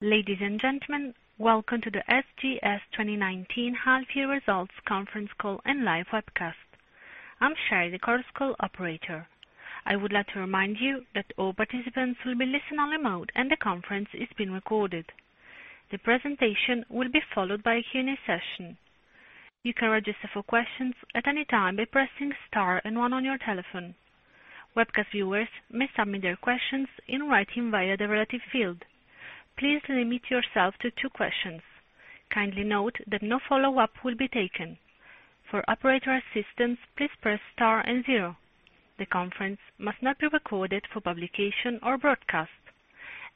Ladies and gentlemen, welcome to the SGS 2019 half-year results conference call and live webcast. I'm Sherry, the conference call operator. I would like to remind you that all participants will be listen-only mode, and the conference is being recorded. The presentation will be followed by a Q&A session. You can register for questions at any time by pressing star and one on your telephone. Webcast viewers may submit their questions in writing via the relevant field. Please limit yourself to two questions. Kindly note that no follow-up will be taken. For operator assistance, please press star and zero. The conference must not be recorded for publication or broadcast.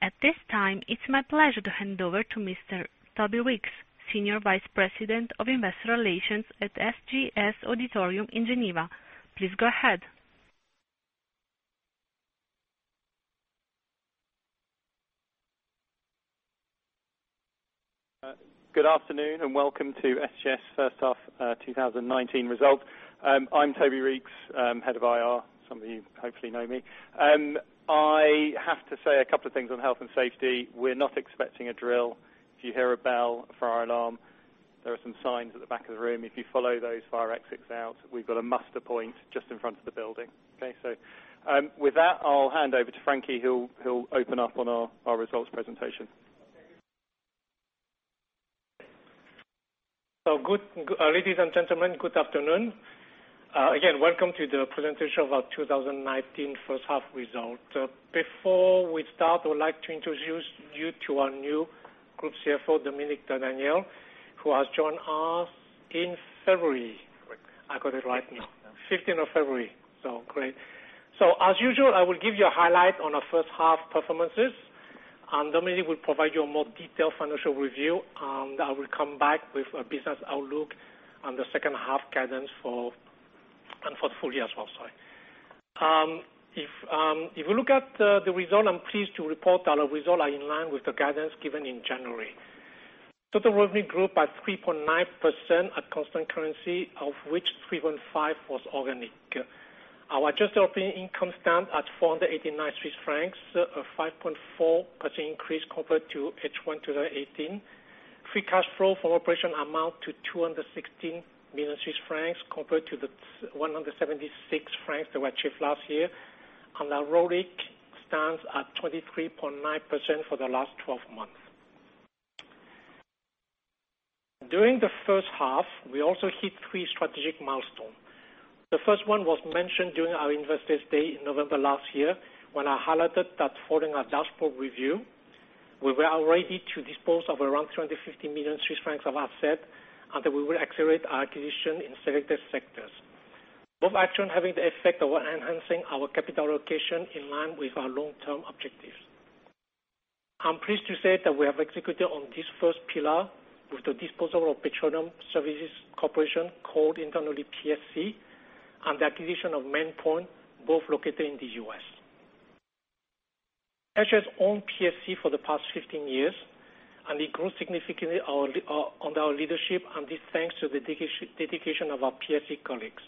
At this time, it's my pleasure to hand over to Mr. Toby Reeks, Senior Vice President of Investor Relations at SGS auditorium in Geneva. Please go ahead. Good afternoon and welcome to SGS first half 2019 result. I'm Toby Reeks, Head of IR. Some of you hopefully know me. I have to say a couple of things on health and safety. We're not expecting a drill. If you hear a bell, a fire alarm, there are some signs at the back of the room. If you follow those fire exits out, we've got a muster point just in front of the building. Okay? With that, I'll hand over to Frankie, who'll open up on our results presentation. Ladies and gentlemen, good afternoon. Again, welcome to the presentation of our 2019 first half results. Before we start, I would like to introduce you to our new Group CFO, Dominik de Daniel, who has joined us in February. Correct. I got it right now. 15th. 15th of February. Great. As usual, I will give you a highlight on our first half performances, and Dominik will provide you a more detailed financial review, and I will come back with a business outlook on the second half guidance for the full year as well. Sorry. If you look at the result, I am pleased to report that our results are in line with the guidance given in January. Total revenue grew by 3.9% at constant currency, of which 3.5% was organic. Our adjusted operating income stands at 489 Swiss francs, a 5.4% increase compared to H1 2018. Free cash flow from operation amount to 216 million Swiss francs compared to the 176 francs that were achieved last year, and our ROIC stands at 23.9% for the last 12 months. During the first half, we also hit three strategic milestones. The first one was mentioned during our Investors Day in November last year, when I highlighted that following our dashboard review, we were all ready to dispose of around 350 million Swiss francs of asset, and that we will accelerate our acquisition in selected sectors. Both actions having the effect of enhancing our capital allocation in line with our long-term objectives. I am pleased to say that we have executed on this first pillar with the disposal of Petroleum Service Corporation, called internally PSC, and the acquisition of Maine Pointe, both located in the U.S. SGS owned PSC for the past 15 years, and it grew significantly under our leadership, and this thanks to the dedication of our PSC colleagues.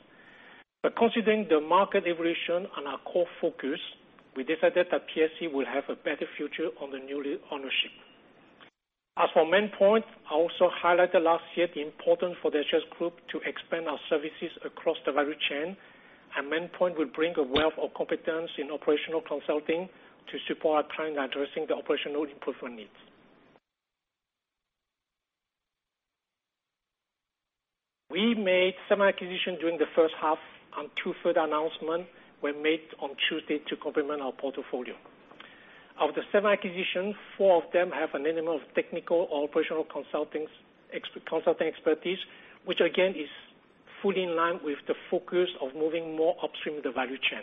Considering the market evolution and our core focus, we decided that PSC will have a better future under new leadership. As for Maine Pointe, I also highlighted last year the importance for the SGS group to expand our services across the value chain, and Maine Pointe will bring a wealth of competence in operational consulting to support our client addressing the operational improvement needs. We made some acquisitions during the first half, and two further announcements were made on Tuesday to complement our portfolio. Of the seven acquisitions, four of them have an element of technical or operational consulting expertise, which again, is fully in line with the focus of moving more upstream the value chain.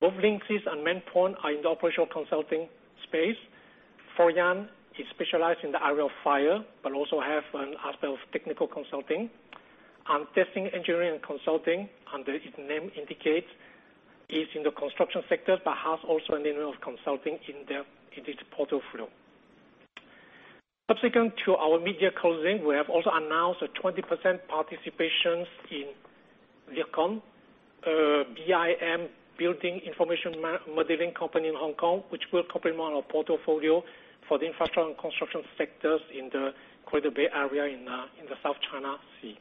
Both Lynxis and Maine Pointe are in the operational consulting space. Floriaan is specialized in the area of fire, but also have an aspect of technical consulting. Testing, Engineering and Consulting, under its name indicates, is in the construction sector, but has also an element of consulting in its portfolio. Subsequent to our media closing, we have also announced a 20% participation in Vircon, a BIM, building information modeling company in Hong Kong, which will complement our portfolio for the infrastructure and construction sectors in the Greater Bay Area in the South China Sea.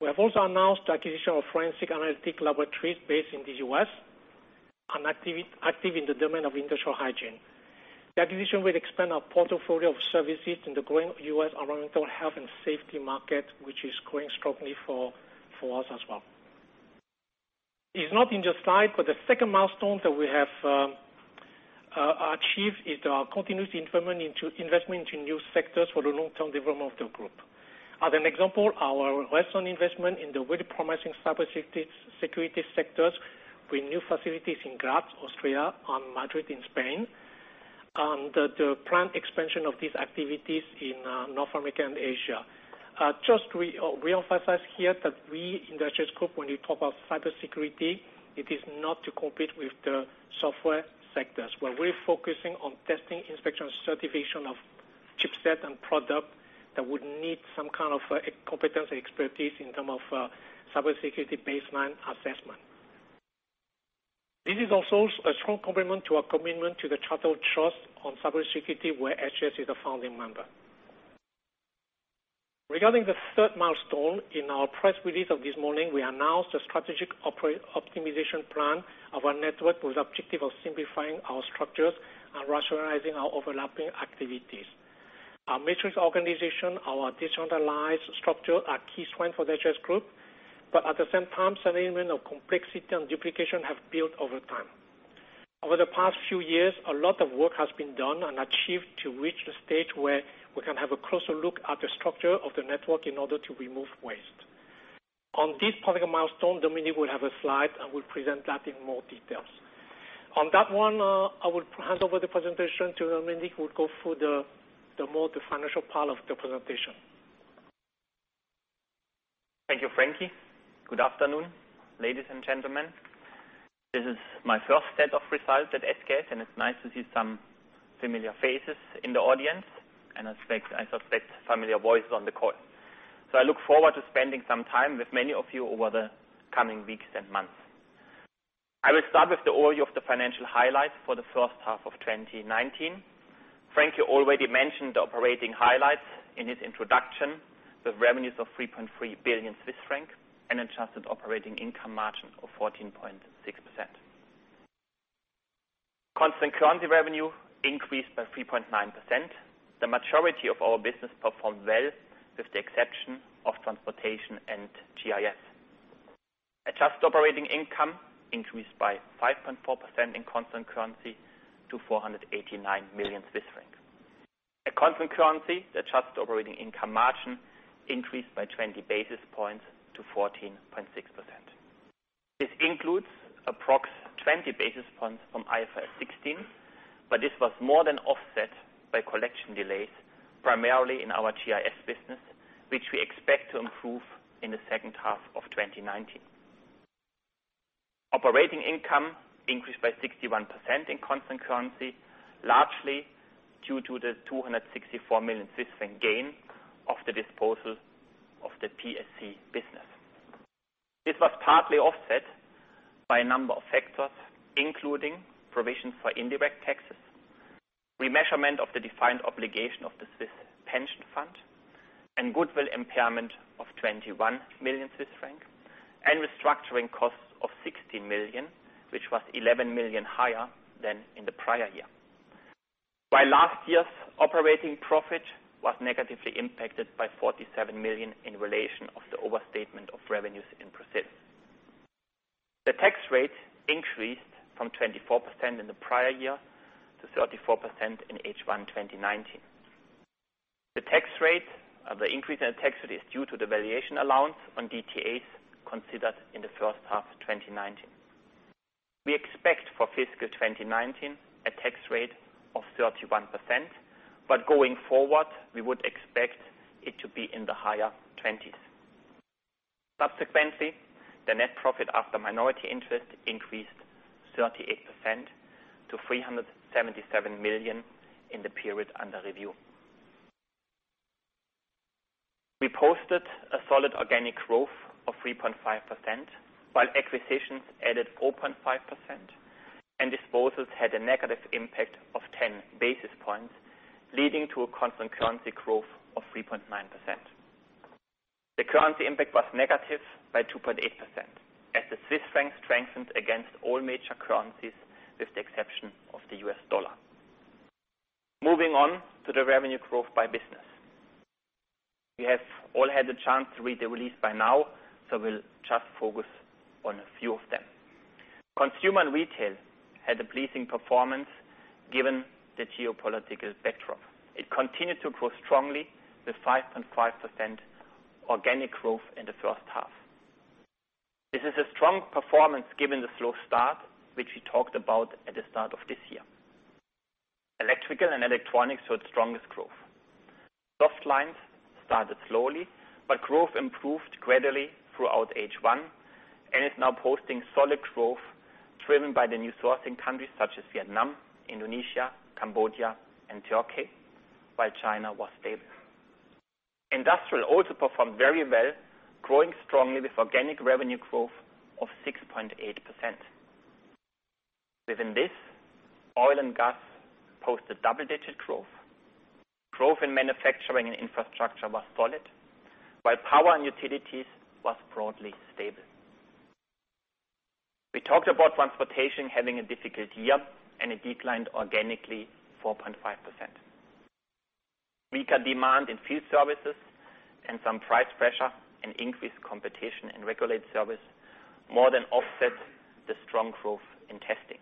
We have also announced the acquisition of Forensic Analytical Laboratories based in the U.S., and active in the domain of industrial hygiene. The acquisition will expand our portfolio of services in the growing U.S. environmental health and safety market, which is growing strongly for us as well. It is not in the slide, the second milestone that we have achieved is our continuous investment into new sectors for the long-term development of the group. As an example, our recent investment in the very promising cybersecurity sectors with new facilities in Graz, Austria and Madrid in Spain, and the planned expansion of these activities in North America and Asia. Just to reemphasize here that we in the SGS Group, when we talk about cybersecurity, it is not to compete with the software sectors. Where we're focusing on testing, inspection, certification of chipset and product that would need some kind of competence and expertise in term of cybersecurity baseline assessment. This is also a strong complement to our commitment to the Charter of Trust on Cybersecurity, where SGS is a founding member. Regarding the third milestone in our press release of this morning, we announced a strategic optimization plan of our network with the objective of simplifying our structures and rationalizing our overlapping activities. Our matrix organization, our decentralized structure, are key strengths for the SGS Group, but at the same time, some elements of complexity and duplication have built over time. Over the past few years, a lot of work has been done and achieved to reach the stage where we can have a closer look at the structure of the network in order to remove waste. On this particular milestone, Dominik will have a slide, and will present that in more details. On that one, I will hand over the presentation to Dominik, who will go through the more financial part of the presentation. Thank you, Frankie. Good afternoon, ladies and gentlemen. This is my first set of results at SGS. It's nice to see some familiar faces in the audience, and I suspect familiar voices on the call. I look forward to spending some time with many of you over the coming weeks and months. I will start with the overview of the financial highlights for the first half of 2019. Frankie already mentioned the operating highlights in his introduction, with revenues of 3.3 billion Swiss francs and adjusted operating income margin of 14.6%. Constant currency revenue increased by 3.9%. The majority of our business performed well, with the exception of transportation and GIS. Adjusted operating income increased by 5.4% in constant currency to 489 million Swiss francs. At constant currency, the adjusted operating income margin increased by 20 basis points to 14.6%. This includes approx 20 basis points from IFRS 16. This was more than offset by collection delays, primarily in our GIS business, which we expect to improve in the second half of 2019. Operating income increased by 61% in constant currency, largely due to the 264 million Swiss franc gain of the disposal of the PSC business. This was partly offset by a number of factors, including provisions for indirect taxes, remeasurement of the defined obligation of the Swiss pension fund, and goodwill impairment of 21 million Swiss franc, and restructuring costs of 16 million, which was 11 million higher than in the prior year. Last year's operating profit was negatively impacted by 47 million in relation of the overstatement of revenues in Brazil. The tax rate increased from 24% in the prior year to 34% in H1 2019. The increase in tax rate is due to the valuation allowance on DTAs considered in the first half of 2019. Going forward, we would expect it to be in the higher 20s. Subsequently, the net profit after minority interest increased 38% to 377 million in the period under review. We posted a solid organic growth of 3.5%, while acquisitions added 4.5% and disposals had a negative impact of 10 basis points, leading to a constant currency growth of 3.9%. The currency impact was negative by 2.8% as the Swiss franc strengthened against all major currencies, with the exception of the US dollar. Moving on to the revenue growth by business. You have all had the chance to read the release by now. We'll just focus on a few of them. Consumer and retail had a pleasing performance given the geopolitical backdrop. It continued to grow strongly with 5.5% organic growth in the first half. This is a strong performance given the slow start, which we talked about at the start of this year. Electrical and electronics saw the strongest growth. Softlines started slowly, but growth improved gradually throughout H1 and is now posting solid growth driven by the new sourcing countries such as Vietnam, Indonesia, Cambodia, and Turkey, while China was stable. Industrial also performed very well, growing strongly with organic revenue growth of 6.8%. Within this, oil and gas posted double-digit growth. Growth in manufacturing and infrastructure was solid, while power and utilities was broadly stable. We talked about transportation having a difficult year. It declined organically 4.5%. Weaker demand in field services and some price pressure and increased competition in regulated service more than offset the strong growth in testing.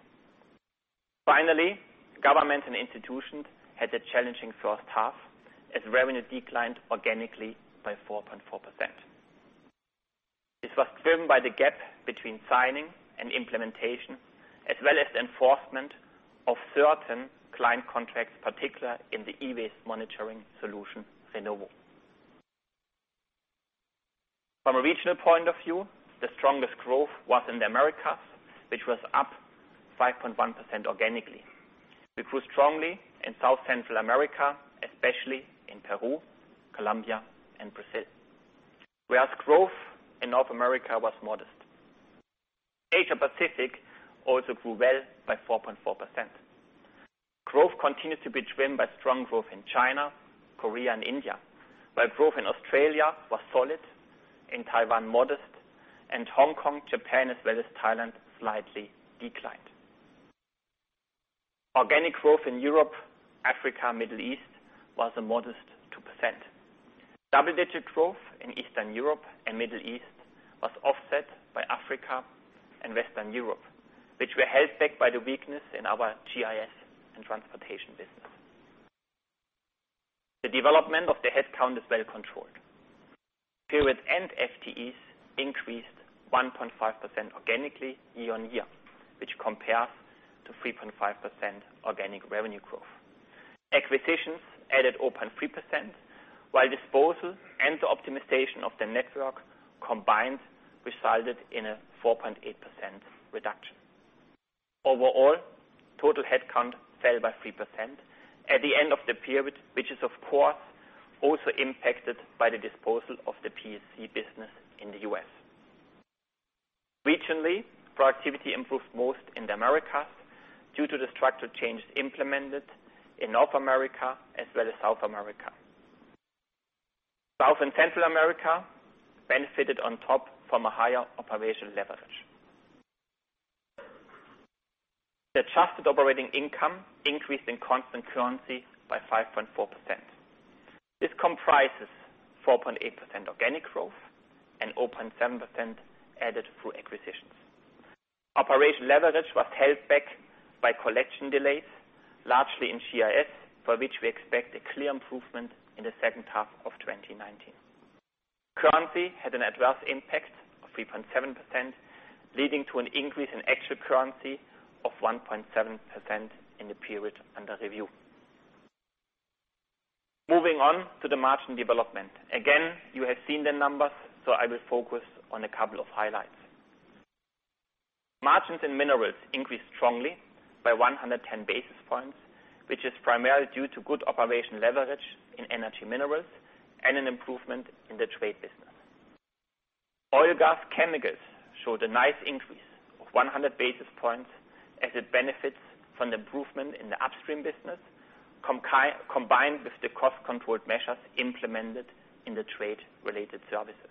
Finally, government and institutions had a challenging first half as revenue declined organically by 4.4%. This was driven by the gap between signing and implementation, as well as the enforcement of certain client contracts, particularly in the e-waste monitoring solution, Renovo. From a regional point of view, the strongest growth was in the Americas, which was up 5.1% organically. We grew strongly in South Central America, especially in Peru, Colombia, and Brazil. Whereas growth in North America was modest. Asia Pacific also grew well by 4.4%. Growth continued to be driven by strong growth in China, Korea, and India. While growth in Australia was solid, in Taiwan modest, and Hong Kong, Japan, as well as Thailand, slightly declined. Organic growth in Europe, Africa, Middle East was a modest 2%. Double-digit growth in Eastern Europe and Middle East was offset by Africa and Western Europe, which were held back by the weakness in our GIS and transportation business. The development of the headcount is well controlled. Period end FTEs increased 1.5% organically year-on-year, which compares to 3.5% organic revenue growth. Acquisitions added 0.3%, while disposal and the optimization of the network combined resulted in a 4.8% reduction. Overall, total headcount fell by 3% at the end of the period, which is, of course, also impacted by the disposal of the PSC business in the U.S. Regionally, productivity improved most in the Americas due to the structural changes implemented in North America as well as South America. South and Central America benefited on top from a higher operational leverage. The adjusted operating income increased in constant currency by 5.4%. This comprises 4.8% organic growth and 0.7% added through acquisitions. Operational leverage was held back by collection delays, largely in GIS, for which we expect a clear improvement in the second half of 2019. Currency had an adverse impact of 3.7%, leading to an increase in actual currency of 1.7% in the period under review. Moving on to the margin development. You have seen the numbers, so I will focus on a couple of highlights. Margins in Minerals increased strongly by 110 basis points, which is primarily due to good operational leverage in energy minerals and an improvement in the trade business. Oil, Gas and Chemical showed a nice increase of 100 basis points as it benefits from the improvement in the upstream business, combined with the cost control measures implemented in the trade-related services.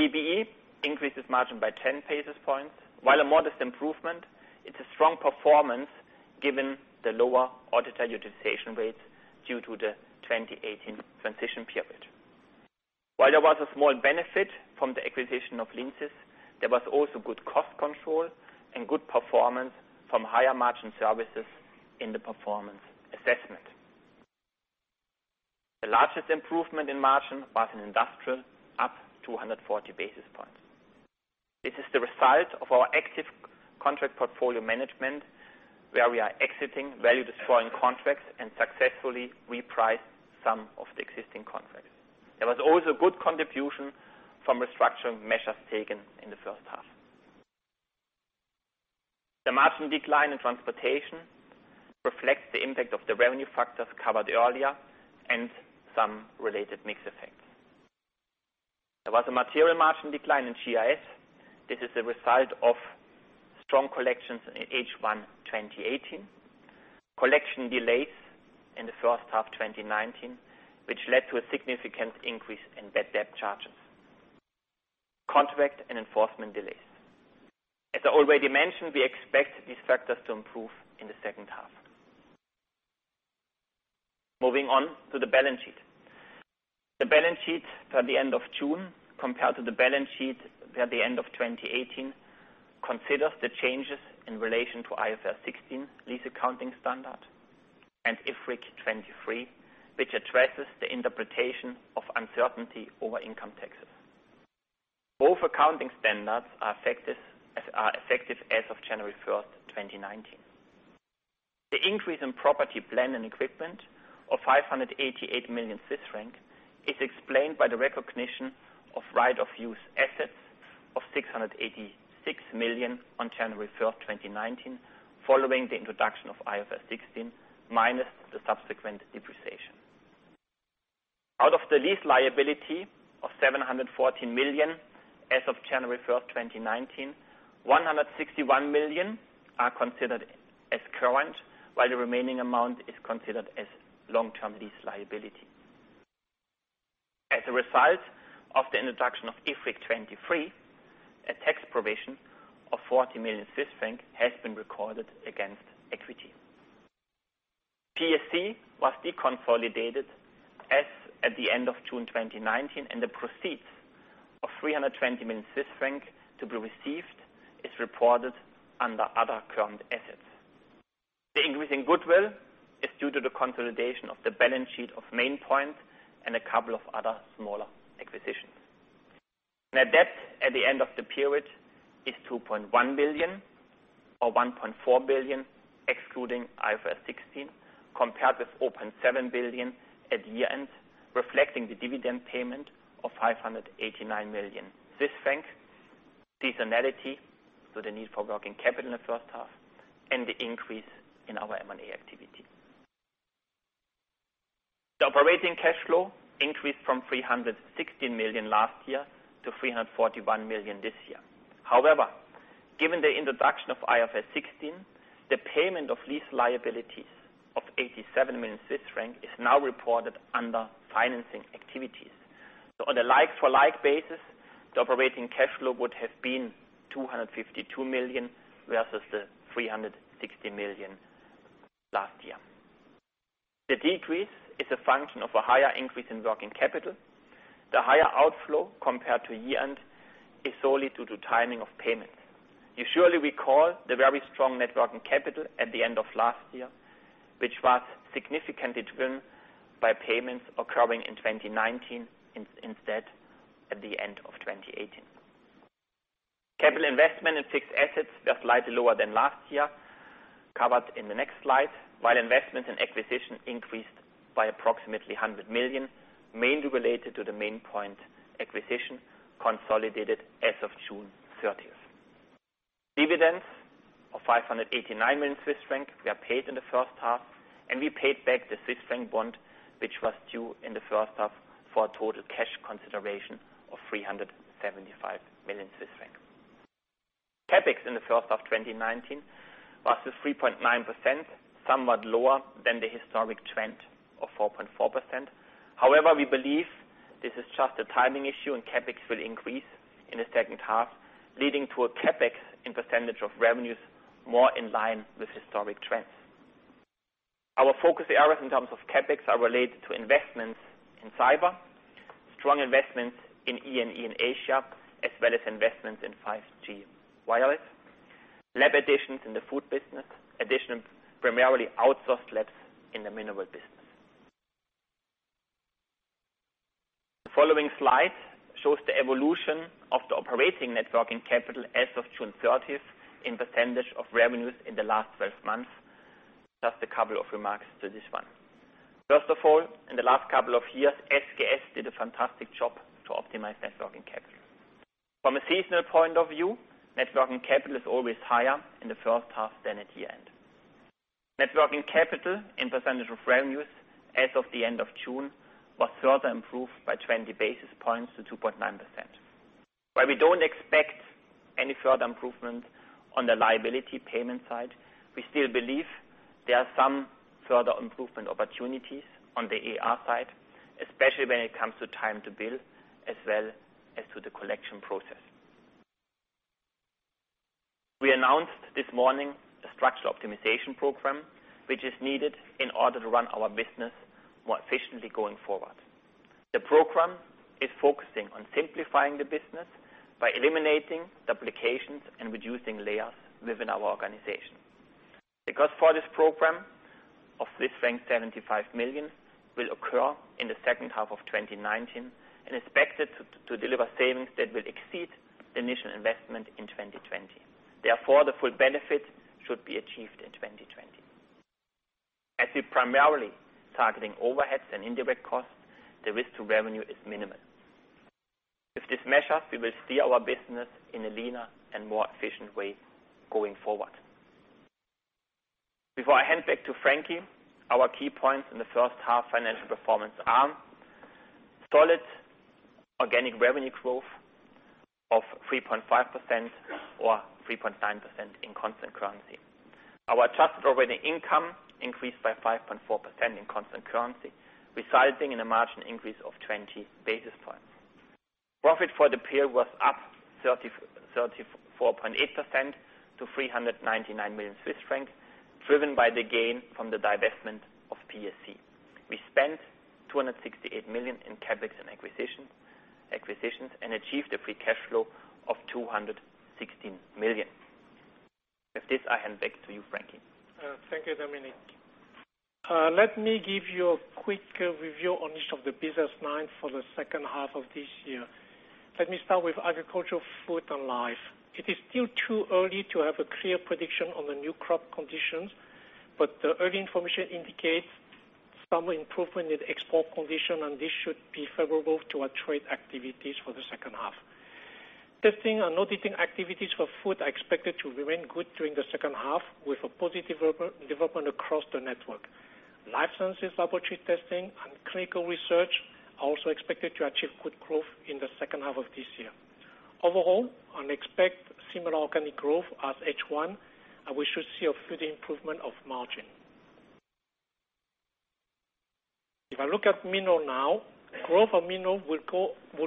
CBE increases margin by 10 basis points. While a modest improvement, it's a strong performance given the lower auditor utilization rate due to the 2018 transition period. While there was a small benefit from the acquisition of Linsys, there was also good cost control and good performance from higher margin services in the performance assessment. The largest improvement in margin was in Industrial, up 240 basis points. This is the result of our active contract portfolio management, where we are exiting value-destroying contracts and successfully reprice some of the existing contracts. There was also good contribution from restructuring measures taken in the first half. The margin decline in Transportation reflects the impact of the revenue factors covered earlier and some related mix effects. There was a material margin decline in GIS. This is the result of strong collections in H1 2018, collection delays in the first half 2019, which led to a significant increase in bad debt charges, contract and enforcement delays. As I already mentioned, we expect these factors to improve in the second half. Moving on to the balance sheet. The balance sheet for the end of June compared to the balance sheet at the end of 2018 considers the changes in relation to IFRS 16 lease accounting standard and IFRIC 23, which addresses the interpretation of uncertainty over income taxes. Both accounting standards are effective as of January 1st, 2019. The increase in property, plant, and equipment of 588 million Swiss franc is explained by the recognition of right of use assets of 686 million on January 1st, 2019, following the introduction of IFRS 16 minus the subsequent depreciation. Out of the lease liability of 714 million as of January 1st, 2019, 161 million are considered as current, while the remaining amount is considered as long-term lease liability. As a result of the introduction of IFRIC 23, a tax provision of 40 million Swiss francs has been recorded against equity. PSC was deconsolidated as at the end of June 2019, and the proceeds of 320 million Swiss francs to be received is reported under other current assets. The increase in goodwill is due to the consolidation of the balance sheet of Maine Pointe and a couple of other smaller acquisitions. Net debt at the end of the period is 2.1 billion, or 1.4 billion excluding IFRS 16, compared with 0.7 billion at year-end, reflecting the dividend payment of 589 million, seasonality, so the need for working capital in the first half, and the increase in our M&A activity. The operating cash flow increased from 316 million last year to 341 million this year. However, given the introduction of IFRS 16, the payment of lease liabilities of 87 million Swiss francs is now reported under financing activities. On a like-for-like basis, the operating cash flow would have been 252 million versus 360 million last year. The decrease is a function of a higher increase in working capital. The higher outflow compared to year-end is solely due to timing of payments. You surely recall the very strong net working capital at the end of last year, which was significantly driven by payments occurring in 2019 instead at the end of 2018. Capital investment in fixed assets were slightly lower than last year, covered in the next slide. While investment in acquisition increased by approximately 100 million, mainly related to the Maine Pointe acquisition consolidated as of June 30th. Dividends of 589 million Swiss franc were paid in the first half, and we paid back the CHF bond, which was due in the first half, for a total cash consideration of 375 million Swiss franc. CapEx in the first half 2019 was at 3.9%, somewhat lower than the historic trend of 4.4%. However, we believe this is just a timing issue, and CapEx will increase in the second half, leading to a CapEx in percentage of revenues more in line with historic trends. Our focus areas in terms of CapEx are related to investments in cyber, strong investments in E&E in Asia, as well as investments in 5G wireless. Lab additions in the food business. Addition of primarily outsourced labs in the mineral business. The following slide shows the evolution of the operating net working capital as of June 30th in percentage of revenues in the last 12 months. Just a couple of remarks to this one. First of all, in the last couple of years, SGS did a fantastic job to optimize net working capital. From a seasonal point of view, net working capital is always higher in the first half than at year-end. Net working capital in percentage of revenues as of the end of June was further improved by 20 basis points to 2.9%. While we don't expect any further improvement on the liability payment side, we still believe there are some further improvement opportunities on the AR side, especially when it comes to time to bill as well as to the collection process. We announced this morning a structural optimization program, which is needed in order to run our business more efficiently going forward. The program is focusing on simplifying the business by eliminating duplications and reducing layers within our organization. The cost for this program, of 75 million, will occur in the second half of 2019 and expected to deliver savings that will exceed the initial investment in 2020. The full benefit should be achieved in 2020. As we're primarily targeting overheads and indirect costs, the risk to revenue is minimal. With these measures, we will steer our business in a leaner and more efficient way going forward. Before I hand back to Frankie, our key points in the first half financial performance are solid organic revenue growth of 3.5%, or 3.9% in constant currency. Our adjusted operating income increased by 5.4% in constant currency, resulting in a margin increase of 20 basis points. Profit for the period was up 34.8% to 399 million Swiss francs, driven by the gain from the divestment of PSC. We spent 268 million in CapEx and acquisitions and achieved a free cash flow of 216 million. With this, I hand back to you, Frankie. Thank you, Dominik. Let me give you a quick review on each of the business lines for the second half of this year. Let me start with Agricultural, Food, and Life. It is still too early to have a clear prediction on the new crop conditions, but the early information indicates some improvement in the export condition, and this should be favorable to our trade activities for the second half. Testing and auditing activities for food are expected to remain good during the second half with a positive development across the network. Life sciences laboratory testing and clinical research are also expected to achieve good growth in the second half of this year. Overall, I expect similar organic growth as H1, and we should see a further improvement of margin. If I look at Minerals now, growth for Minerals will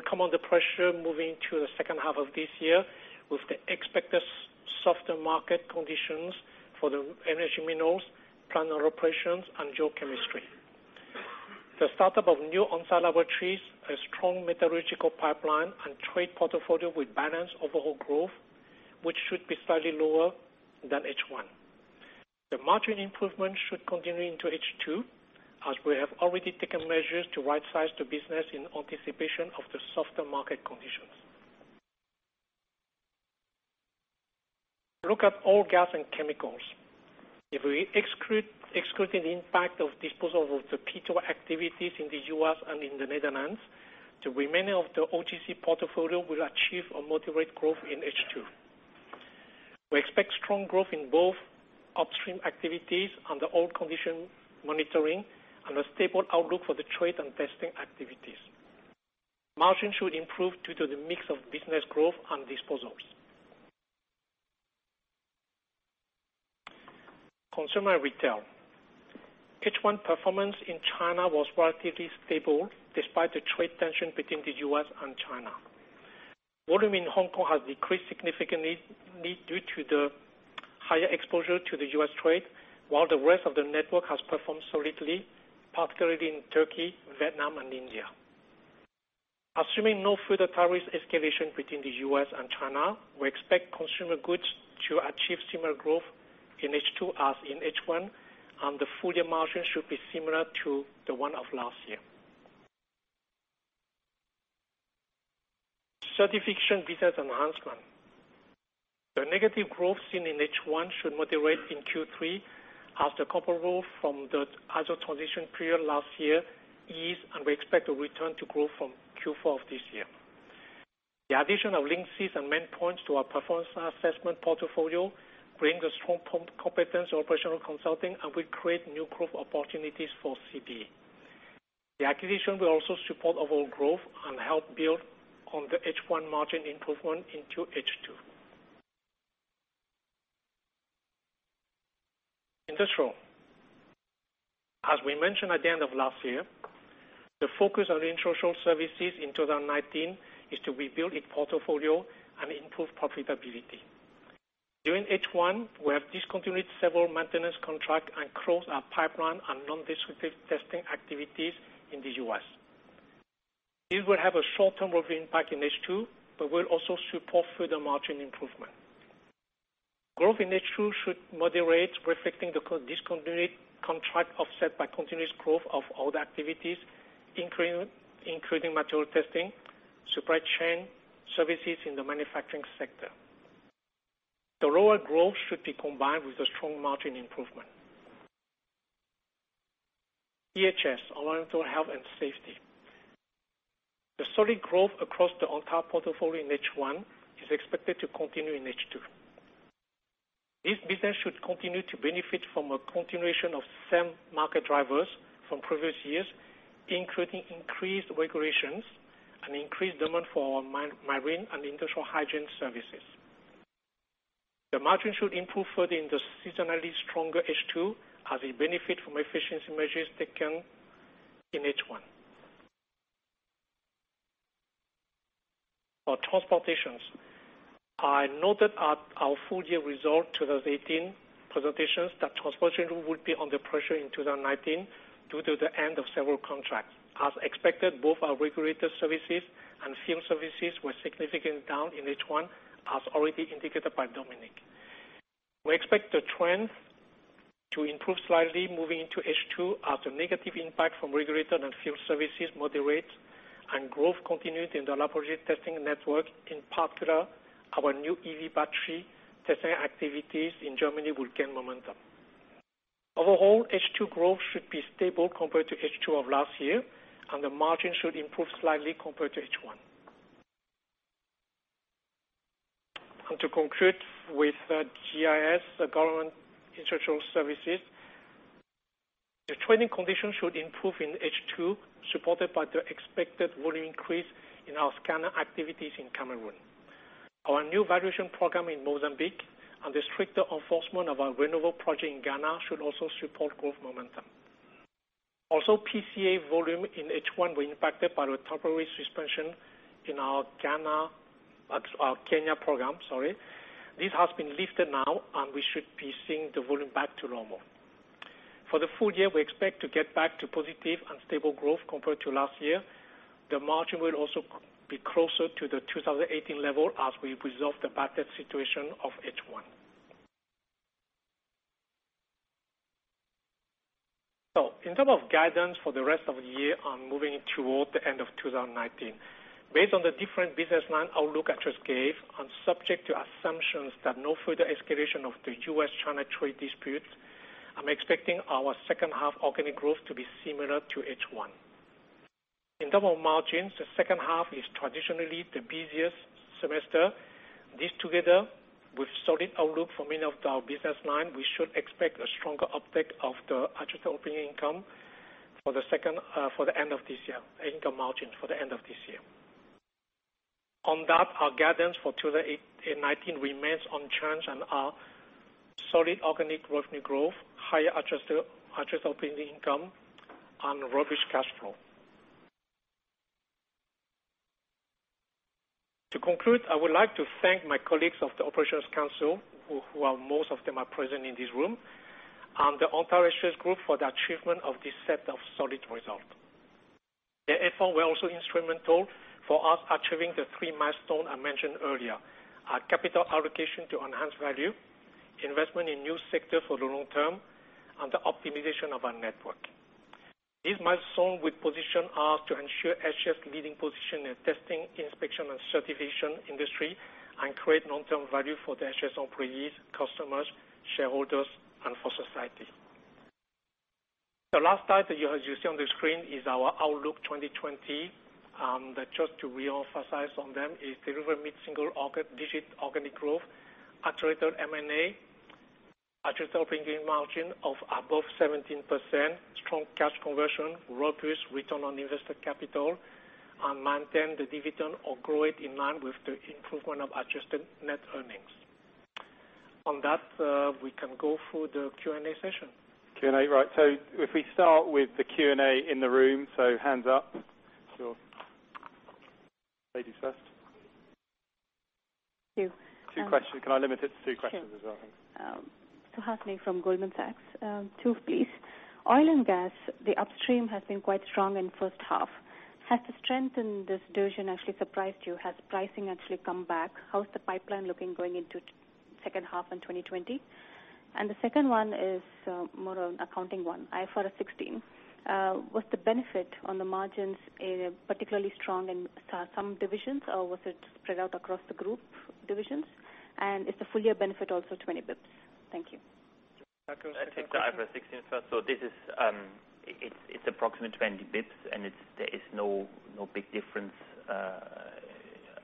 come under pressure moving to the second half of this year with the expected softer market conditions for the energy minerals, planet operations, and geochemistry. The startup of new on-site laboratories, a strong metallurgical pipeline, and trade portfolio will balance overall growth, which should be slightly lower than H1. The margin improvement should continue into H2, as we have already taken measures to rightsize the business in anticipation of the softer market conditions. Oil, Gas and Chemicals. If we exclude the impact of disposal of the PSC activities in the U.S. and in the Netherlands, the remaining of the OGC portfolio will achieve a moderate growth in H2. We expect strong growth in both upstream activities under all condition monitoring and a stable outlook for the trade and testing activities. Margins should improve due to the mix of business growth and disposals. Consumer Retail. H1 performance in China was relatively stable despite the trade tension between the U.S. and China. Volume in Hong Kong has decreased significantly due to the higher exposure to the U.S. trade, while the rest of the network has performed solidly, particularly in Turkey, Vietnam, and India. Assuming no further tariffs escalation between the U.S. and China, we expect consumer goods to achieve similar growth in H2 as in H1, and the full-year margin should be similar to the one of last year. Certification and Business Enhancement. The negative growth seen in H1 should moderate in Q3 as the comparator rule from the ISO transition period last year ease, and we expect to return to growth from Q4 of this year. The addition of Lynxeye and Maine Pointe to our performance assessment portfolio brings a strong competence operational consulting and will create new growth opportunities for CBE. The acquisition will also support overall growth and help build on the H1 margin improvement into H2. Industrial. As we mentioned at the end of last year, the focus of the Industrial Services in 2019 is to rebuild its portfolio and improve profitability. During H1, we have discontinued several maintenance contracts and closed our pipeline and non-destructive testing activities in the U.S. This will have a short-term revenue impact in H2 but will also support further margin improvement. Growth in H2 should moderate, reflecting the discontinued contract offset by continuous growth of other activities, including material testing, supply chain services in the manufacturing sector. The lower growth should be combined with a strong margin improvement. EHS, Environmental Health and Safety. The solid growth across the entire portfolio in H1 is expected to continue in H2. This business should continue to benefit from a continuation of same market drivers from previous years, including increased regulations and increased demand for marine and industrial hygiene services. The margin should improve further in the seasonally stronger H2 as a benefit from efficiency measures taken in H1. For Transportations. I noted at our full-year result 2018 presentations that Transportation would be under pressure in 2019 due to the end of several contracts. As expected, both our regulated services and field services were significantly down in H1, as already indicated by Dominik. We expect the trend to improve slightly moving into H2 as the negative impact from regulated and field services moderates and growth continued in the laboratory testing network, in particular, our new EV battery testing activities in Germany will gain momentum. Overall, H2 growth should be stable compared to H2 of last year, and the margin should improve slightly compared to H1. To conclude with GIS, Government Institutional Services, the trading conditions should improve in H2, supported by the expected volume increase in our scanner activities in Cameroon. Our new valuation program in Mozambique and the stricter enforcement of our renewable project in Ghana should also support growth momentum. Also, PCA volume in H1 were impacted by the temporary suspension in our Kenya program, sorry. This has been lifted now, and we should be seeing the volume back to normal. For the full year, we expect to get back to positive and stable growth compared to last year. The margin will also be closer to the 2018 level as we resolve the bad debt situation of H1. In term of guidance for the rest of the year and moving toward the end of 2019. Based on the different business line outlook I just gave, and subject to assumptions that no further escalation of the U.S.-China trade disputes, I'm expecting our second half organic growth to be similar to H1. In term of margins, the second half is traditionally the busiest semester. This together with solid outlook for many of our business line, we should expect a stronger uptake of the adjusted operating income for the end of this year. Income margin for the end of this year. Our guidance for 2019 remains unchanged and our solid organic revenue growth, higher adjusted operating income, and robust cash flow. To conclude, I would like to thank my colleagues of the Operations Council, most of them present in this room, and the entire SGS group for the achievement of this set of solid results. Their efforts were also instrumental for us achieving the three milestones I mentioned earlier. Our capital allocation to enhance value, investment in new sectors for the long term, and the optimization of our network. This milestone will position us to ensure SGS' leading position in testing, inspection, and certification industry, and create long-term value for the SGS employees, customers, shareholders, and for society. The last slide that you see on the screen is our Outlook 2020. Just to reemphasize on them is deliver mid-single-digit organic growth, accelerated M&A, adjusted operating margin of above 17%, strong cash conversion, robust return on invested capital, and maintain the dividend or grow it in line with the improvement of adjusted net earnings. On that, we can go for the Q&A session. Q&A, right. If we start with the Q&A in the room, hands up. Sure. Ladies first. Thank you. Two questions. Can I limit it to two questions as well? Sure. Suhasini from Goldman Sachs. Two, please. Oil and gas, the upstream has been quite strong in first half. Has the strength in this division actually surprised you? Has pricing actually come back? How's the pipeline looking going into second half and 2020? The second one is more of an accounting one. IFRS 16. Was the benefit on the margins particularly strong in some divisions, or was it spread out across the group divisions? Is the full year benefit also 20 basis points? Thank you. Marco, do you want to take that? I'll take the IFRS 16 first. It's approximately 20 basis points, and there is no big difference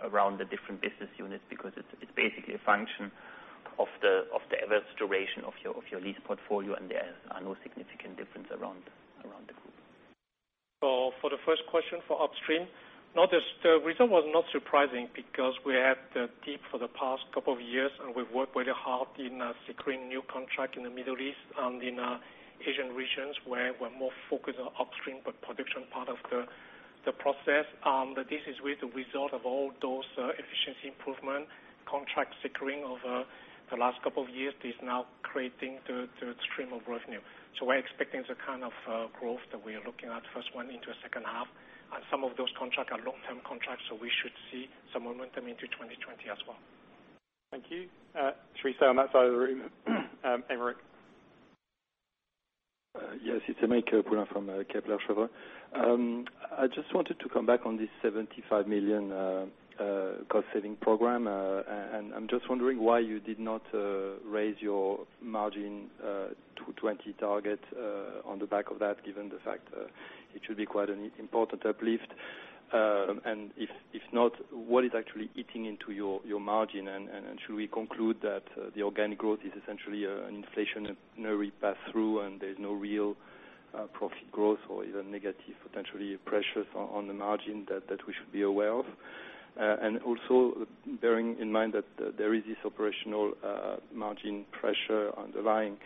around the different business units because it's basically a function of the average duration of your lease portfolio, and there are no significant difference around the group. For the first question, for upstream, the result was not surprising because we had the dip for the past couple of years, and we've worked really hard in securing new contract in the Middle East and in Asian regions where we're more focused on upstream but production part of the process. This is really the result of all those efficiency improvement, contract securing over the last couple of years is now creating the stream of revenue. We're expecting the kind of growth that we are looking at, first one into a second half. Some of those contracts are long-term contracts, so we should see some momentum into 2020 as well. Thank you. Theresa, on that side of the room. Aymeric. Yes, it's Aymeric Poulain from Kepler Cheuvreux. I just wanted to come back on this 75 million cost saving program, I'm just wondering why you did not raise your margin to 2020 target on the back of that, given the fact it should be quite an important uplift. If not, what is actually eating into your margin? Should we conclude that the organic growth is essentially an inflationary pass-through, there's no real profit growth or even negative potentially pressures on the margin that we should be aware of? Also, bearing in mind that there is this operational margin pressure underlying,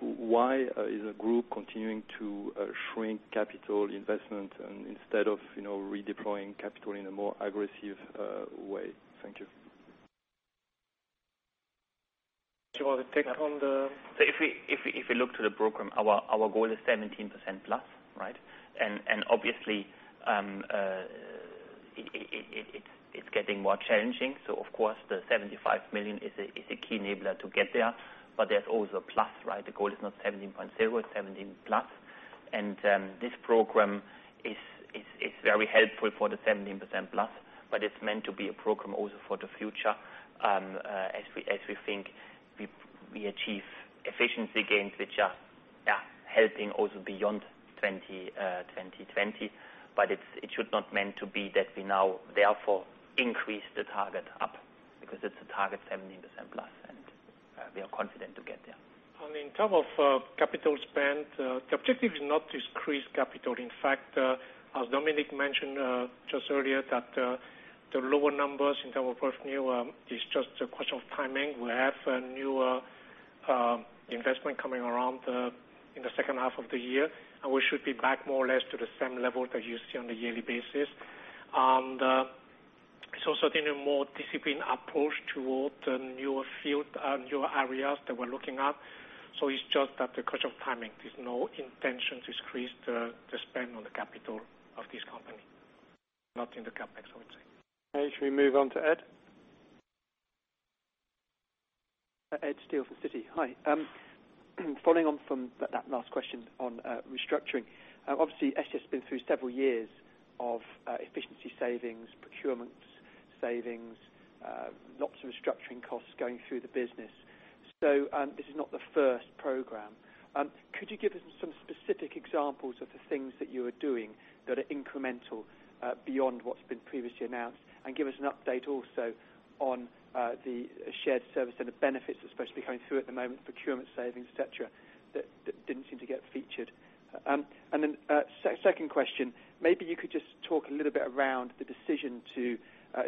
why is the group continuing to shrink capital investment and instead of redeploying capital in a more aggressive way? Thank you. Do you want to take on the- If you look to the program, our goal is 17% plus, right? Obviously, it's getting more challenging. Of course, the 75 million is a key enabler to get there. There's also a plus, right? The goal is not 17.0, it's 17+. This program is very helpful for the 17%+, but it's meant to be a program also for the future, as we think we achieve efficiency gains, which are helping also beyond 2020. It should not meant to be that we now therefore increase the target up, because it's a target 17% plus, and we are confident to get there. In terms of capital spend, the objective is not to increase capital. In fact, as Dominik mentioned just earlier, that the lower numbers in terms of revenue is just a question of timing. We have a new investment coming around in the second half of the year, we should be back more or less to the same level that you see on a yearly basis. It's also taking a more disciplined approach toward the newer field and newer areas that we're looking at. It's just that the question of timing. There's no intention to increase the spend on the capital of this company. Not in the CapEx, I would say. Okay, should we move on to Ed? Ed Steele from Citi. Hi. Following on from that last question on restructuring. Obviously, SGS been through several years of efficiency savings, procurement savings, lots of restructuring costs going through the business. This is not the first program. Could you give us some specific examples of the things that you are doing that are incremental beyond what's been previously announced, give us an update also on the shared service center benefits that are supposed to be coming through at the moment, procurement savings, et cetera, that didn't seem to get featured. Then second question, maybe you could just talk a little bit around the decision to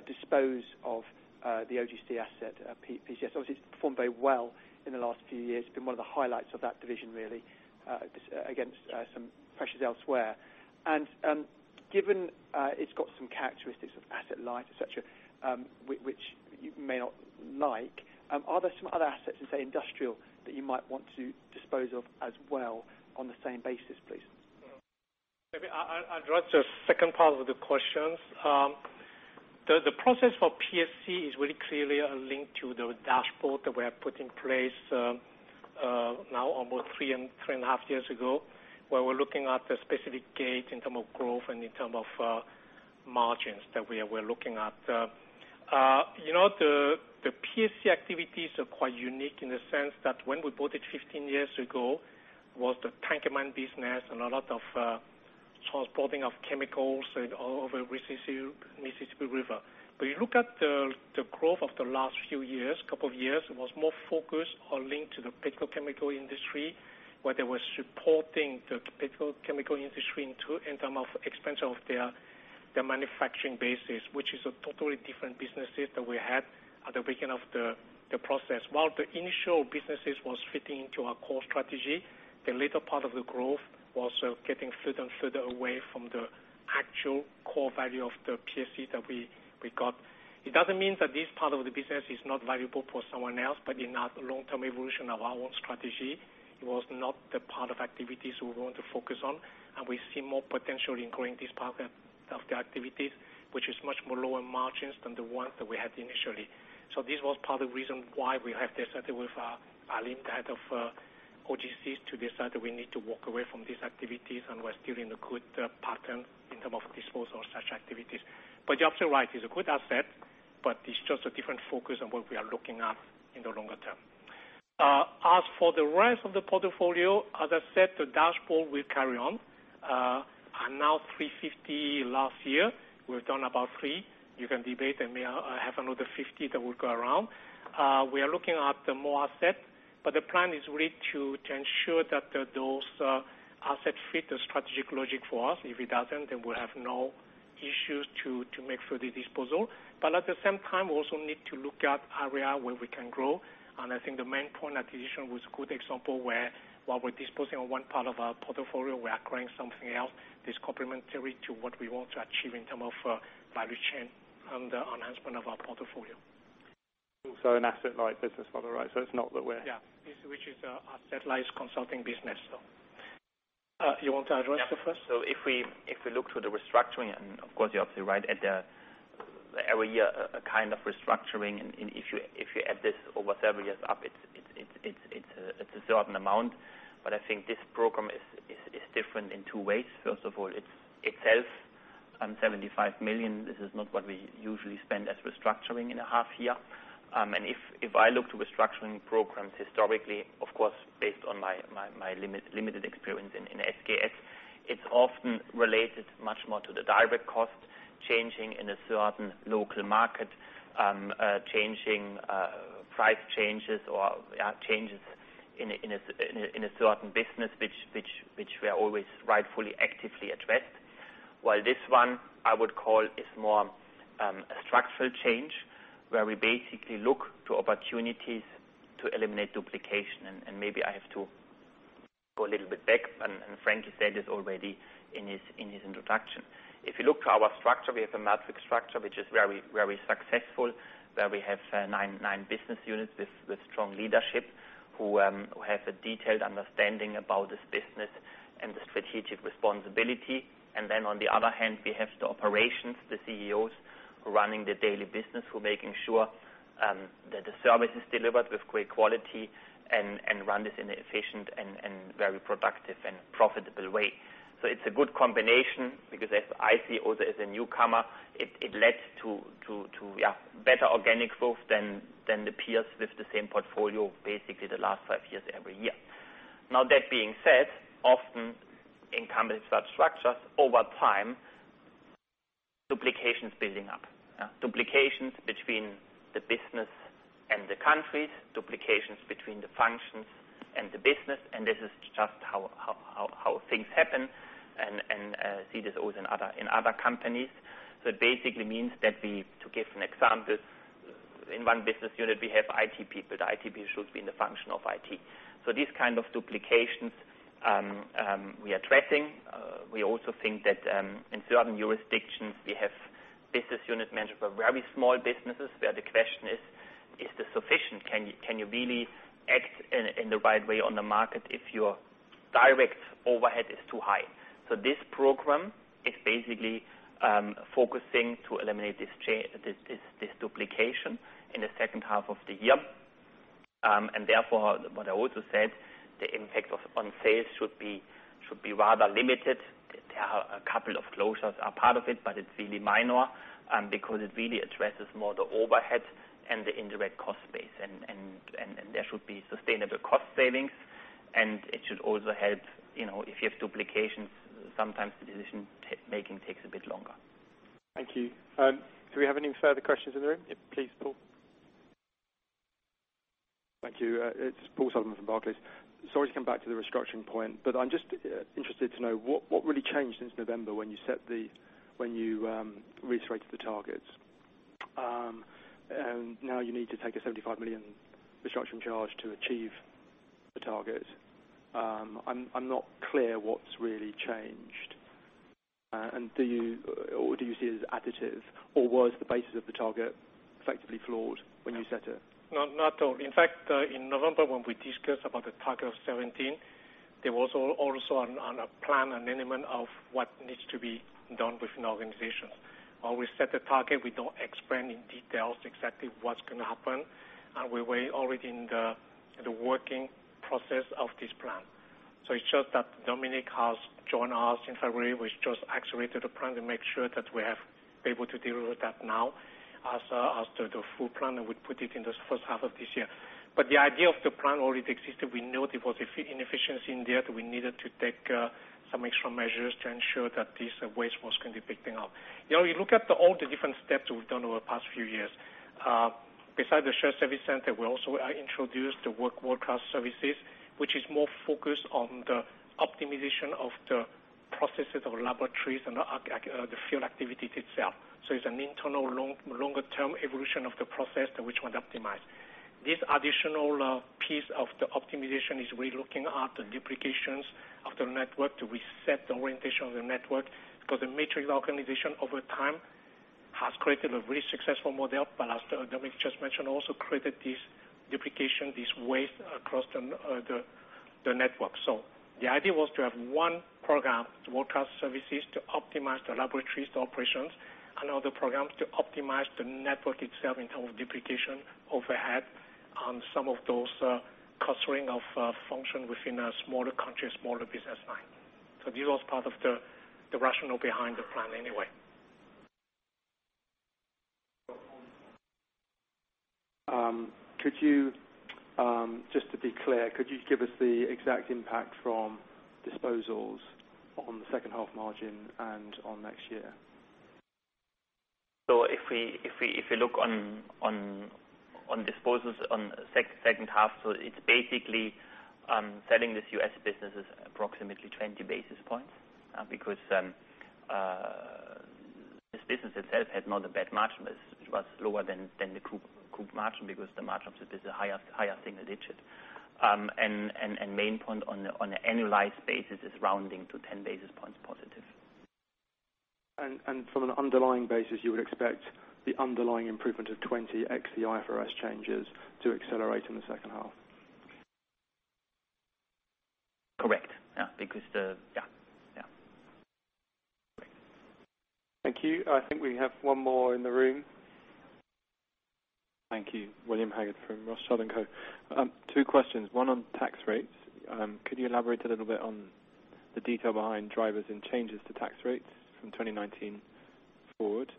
dispose of the OGC asset, PSC. Obviously, it's performed very well in the last few years, been one of the highlights of that division, really, against some pressures elsewhere. Given it's got some characteristics of asset light, et cetera, which you may not like, are there some other assets in, say, industrial that you might want to dispose of as well on the same basis, please? Maybe I address the second part of the questions. The process for PSC is really clearly linked to the dashboard that we have put in place now almost three and a half years ago, where we're looking at the specific gauge in term of growth and in term of margins that we are looking at. The PSC activities are quite unique in the sense that when we bought it 15 years ago, it was the tankerman business and a lot of transporting of chemicals all over Mississippi River. You look at the growth of the last few years, couple of years, it was more focused or linked to the petrochemical industry, where they were supporting the petrochemical industry in term of expansion of their manufacturing bases, which is a totally different businesses that we had at the beginning of the process. While the initial businesses was fitting into our core strategy, the later part of the growth was getting further and further away from the actual core value of the PSC that we got. It doesn't mean that this part of the business is not valuable for someone else, but in our long-term evolution of our own strategy, it was not the part of activities we want to focus on. We see more potential in growing this part of the activities, which is much more lower margins than the ones that we had initially. So this was part of the reason why we have decided with Alain, Head of OGCs, to decide that we need to walk away from these activities and we're still in a good pattern in term of disposal of such activities. You're absolutely right, it's a good asset, but it's just a different focus on what we are looking at in the longer term. As for the rest of the portfolio, as I said, the dashboard will carry on. Now 350 last year, we've done about three. You can debate, I may have another 50 that will go around. We are looking at more assets, but the plan is really to ensure that those assets fit the strategic logic for us. If it doesn't, then we'll have no issues to make further disposal. At the same time, we also need to look at area where we can grow. I think the Maine Pointe acquisition was a good example where while we're disposing of one part of our portfolio, we are acquiring something else that is complementary to what we want to achieve in term of value chain and the enhancement of our portfolio. An asset-light business, by the way. Yeah. This, which is our satellite consulting business, so. You want to address the first? Yeah. If we look to the restructuring, and of course, you're absolutely right, every year a kind of restructuring, and if you add this over several years up, it's a certain amount. I think this program is different in two ways. First of all, it's itself, 75 million, this is not what we usually spend as restructuring in a half year. If I look to restructuring programs historically, of course, based on my limited experience in SGS, it's often related much more to the direct costs changing in a certain local market, price changes or changes in a certain business, which were always rightfully, actively addressed. While this one I would call is more a structural change, where we basically look to opportunities to eliminate duplication. Maybe I have to go a little bit back, and Frankie said this already in his introduction. If you look to our structure, we have a matrix structure, which is very successful, where we have nine business units with strong leadership who have a detailed understanding about this business and the strategic responsibility. Then on the other hand, we have the operations, the CEOs, who are running the daily business, who are making sure that the service is delivered with great quality and run this in an efficient and very productive and profitable way. It is a good combination because as I see also as a newcomer, it led to better organic growth than the peers with the same portfolio, basically the last five years every year. That being said, often in companies with such structures, over time, duplication is building up. Duplications between the business and the countries, duplications between the functions and the business, this is just how things happen, and I see this also in other companies. It basically means that we, to give an example, in one business unit, we have IT people. The IT people should be in the function of IT. These kind of duplications, we are addressing. We also think that in certain jurisdictions, we have business unit managers for very small businesses where the question is: Is this sufficient? Can you really act in the right way on the market if your direct overhead is too high? This program is basically focusing to eliminate this duplication in the second half of the year. Therefore, what I also said, the impact on sales should be rather limited. A couple of closures are part of it, but it is really minor, because it really addresses more the overhead and the indirect cost base. There should be sustainable cost savings, and it should also help, if you have duplications, sometimes the decision-making takes a bit longer. Thank you. Do we have any further questions in the room? Yeah, please, Paul. Thank you. It is Paul Sullivan from Barclays. Sorry to come back to the restructuring point, but I am just interested to know what really changed since November when you reiterated the targets? Now you need to take a 75 million restructuring charge to achieve the target. I am not clear what is really changed. Do you see it as additive, or was the basis of the target effectively flawed when you set it? No, not at all. In fact, in November, when we discussed about the target of 2017. There was also on a plan, an element of what needs to be done within organizations. While we set the target, we do not explain in details exactly what is going to happen, and we were already in the working process of this plan. It shows that Dominik has joined us in February, which just accelerated the plan to make sure that we have able to deliver that now as to the full plan. We put it in the first half of this year. The idea of the plan already existed. We knew there was a efficiency in there that we needed to take some extra measures to ensure that this waste was going to be picking up. You look at all the different steps we've done over the past few years. Besides the shared service center, we also introduced the World Class Services, which is more focused on the optimization of the processes of laboratories and the field activities itself. It's an internal, longer-term evolution of the process that we want to optimize. This additional piece of the optimization is really looking at the duplications of the network to reset the orientation of the network, because the matrix organization over time has created a very successful model, but as Dominik just mentioned, also created this duplication, this waste across the network. The idea was to have one program, the World Class Services, to optimize the laboratories operations and other programs to optimize the network itself in terms of duplication, overhead on some of those clustering of function within a smaller country, smaller business line. This was part of the rationale behind the plan anyway. Could you, just to be clear, could you give us the exact impact from disposals on the second half margin and on next year? If you look on disposals on second half, so it's basically selling this U.S. business is approximately 20 basis points because this business itself had not a bad margin, but it was lower than the group margin because the margin itself is a higher single digit. Maine Pointe on the annualized basis is rounding to 10 basis points positive. From an underlying basis, you would expect the underlying improvement of 20 ex the IFRS changes to accelerate in the second half. Correct. Yeah. Thank you. I think we have one more in the room. Thank you. William Haggard from Rothschild & Co. Two questions, one on tax rates. Could you elaborate a little bit on the detail behind drivers and changes to tax rates from 2019 forward,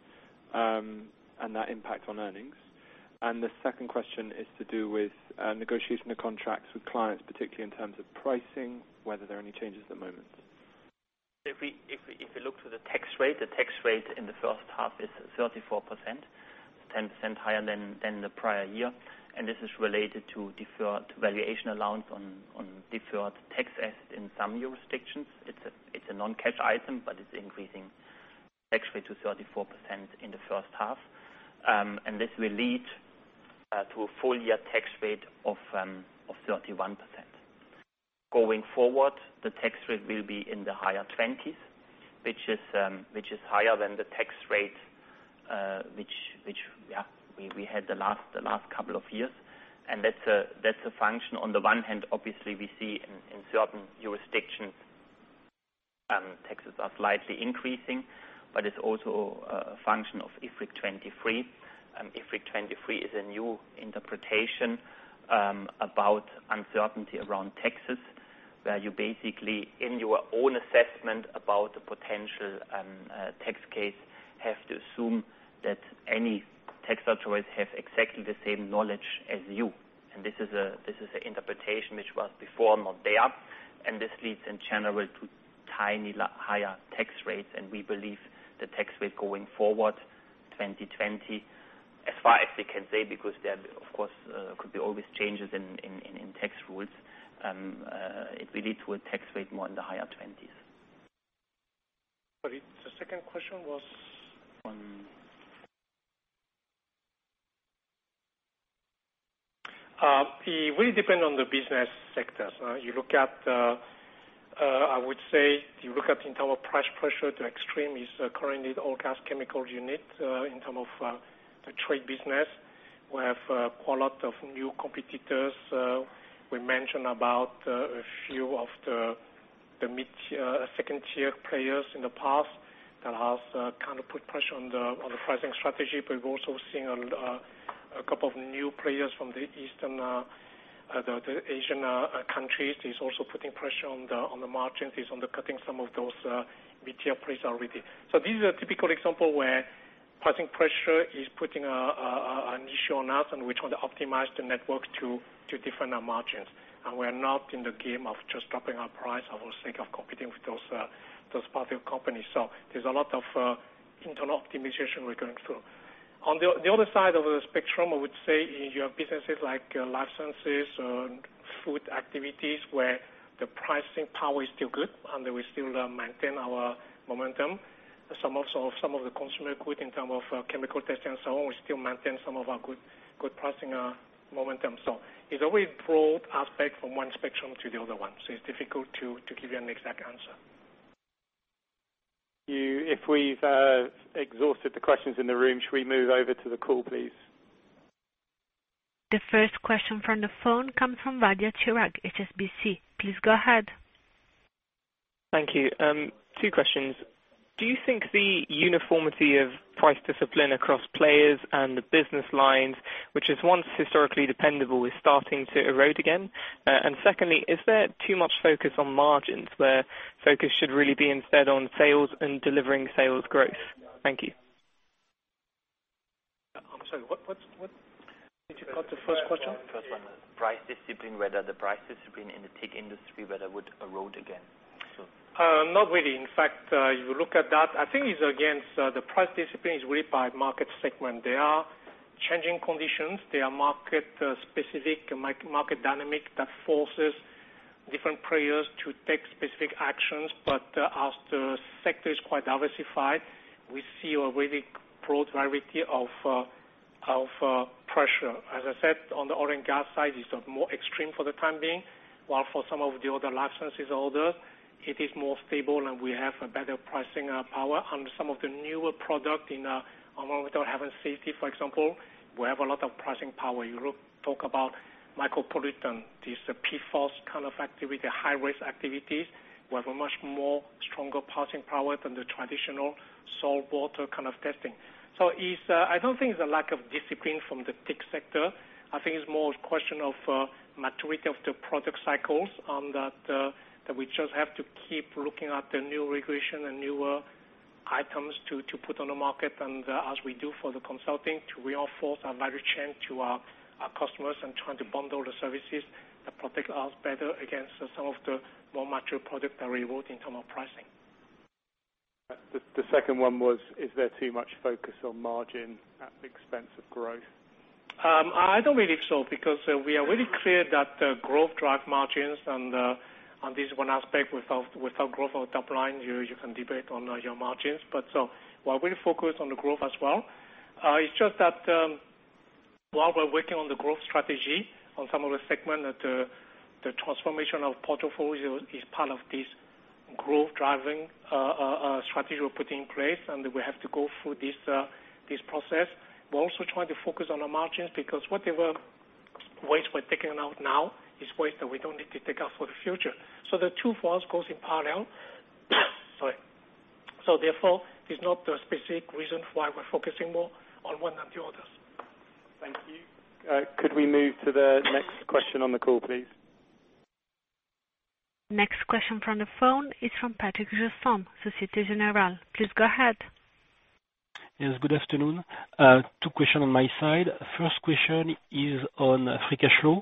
and that impact on earnings? The second question is to do with negotiation of contracts with clients, particularly in terms of pricing, whether there are any changes at the moment. The tax rate in the first half is 34%, 10% higher than the prior year. This is related to deferred valuation allowance on deferred tax assets in some jurisdictions. It's a non-cash item, but it's increasing actually to 34% in the first half. This will lead to a full year tax rate of 31%. Going forward, the tax rate will be in the higher twenties, which is higher than the tax rate which we had the last couple of years. That's a function on the one hand, obviously we see in certain jurisdictions, taxes are slightly increasing, but it's also a function of IFRIC 23. IFRIC 23 is a new interpretation about uncertainty around taxes, where you basically, in your own assessment about the potential tax case, have to assume that any tax authorities have exactly the same knowledge as you. This is an interpretation which was before not there. This leads in general to tiny higher tax rates. We believe the tax rate going forward 2020, as far as we can say, because there, of course, could be always changes in tax rules, it will lead to a tax rate more in the higher twenties. Sorry. The second question was, it will depend on the business sectors. I would say you look at in terms of price pressure, the extreme is currently the Oil & Gas Chemical unit in terms of the trade business. We have quite a lot of new competitors. We mentioned about a few of the second-tier players in the past that has put pressure on the pricing strategy. We've also seen a couple of new players from the Asian countries is also putting pressure on the margins, is on the cutting some of those mid-tier players already. This is a typical example where pricing pressure is putting an issue on us. We try to optimize the network to defend our margins. We are not in the game of just dropping our price or sake of competing with those passive companies. There's a lot of internal optimization we're going through. On the other side of the spectrum, I would say in your businesses like licenses and food activities, where the pricing power is still good. We still maintain our momentum. Some of the consumer goods in terms of chemical testing and so on, we still maintain some of our good pricing momentum. It always broad aspect from one spectrum to the other one. It's difficult to give you an exact answer. If we've exhausted the questions in the room, should we move over to the call, please? The first question from the phone comes from Chirag Vadhia, HSBC. Please go ahead. Thank you. Two questions. Do you think the uniformity of price discipline across players and the business lines, which is once historically dependable, is starting to erode again? Secondly, is there too much focus on margins where focus should really be instead on sales and delivering sales growth? Thank you. I'm sorry, what did you call the first question? The first one was price discipline, whether the price discipline in the TIC industry, whether it would erode again. Not really. In fact, you look at that, I think it's again, the price discipline is really by market segment. There are changing conditions. There are market specific, market dynamic that forces different players to take specific actions. As the sector is quite diversified, we see a really broad variety of pressure. As I said, on the oil and gas side, it's more extreme for the time being, while for some of the other licensing orders, it is more stable, and we have a better pricing power. On some of the newer product in, among with our health and safety, for example, we have a lot of pricing power. You talk about micropollutant, these PFOS kind of activity, high-risk activities. We have a much more stronger pricing power than the traditional salt water kind of testing. I don't think it's a lack of discipline from the TIC sector. I think it's more a question of maturity of the product cycles, that we just have to keep looking at the new regulation and newer items to put on the market. As we do for the consulting, to reinforce our value chain to our customers and trying to bundle the services that protect us better against some of the more mature product that we hold in terms of pricing. The second one was, is there too much focus on margin at the expense of growth? I don't believe so, because we are really clear that growth drive margins and this one aspect, without growth on top line, you can debate on your margins. While we focus on the growth as well, it's just that while we're working on the growth strategy on some of the segment that the transformation of portfolio is part of this growth driving strategy we're putting in place, and we have to go through this process. We're also trying to focus on our margins because whatever waste we're taking out now is waste that we don't need to take out for the future. The two parts goes in parallel. Sorry. Therefore, it's not a specific reason why we're focusing more on one than the others. Thank you. Could we move to the next question on the call, please? Next question from the phone is from Patrick Jousseaume, Société Générale. Please go ahead. Yes, good afternoon. Two question on my side. First question is on free cash flow.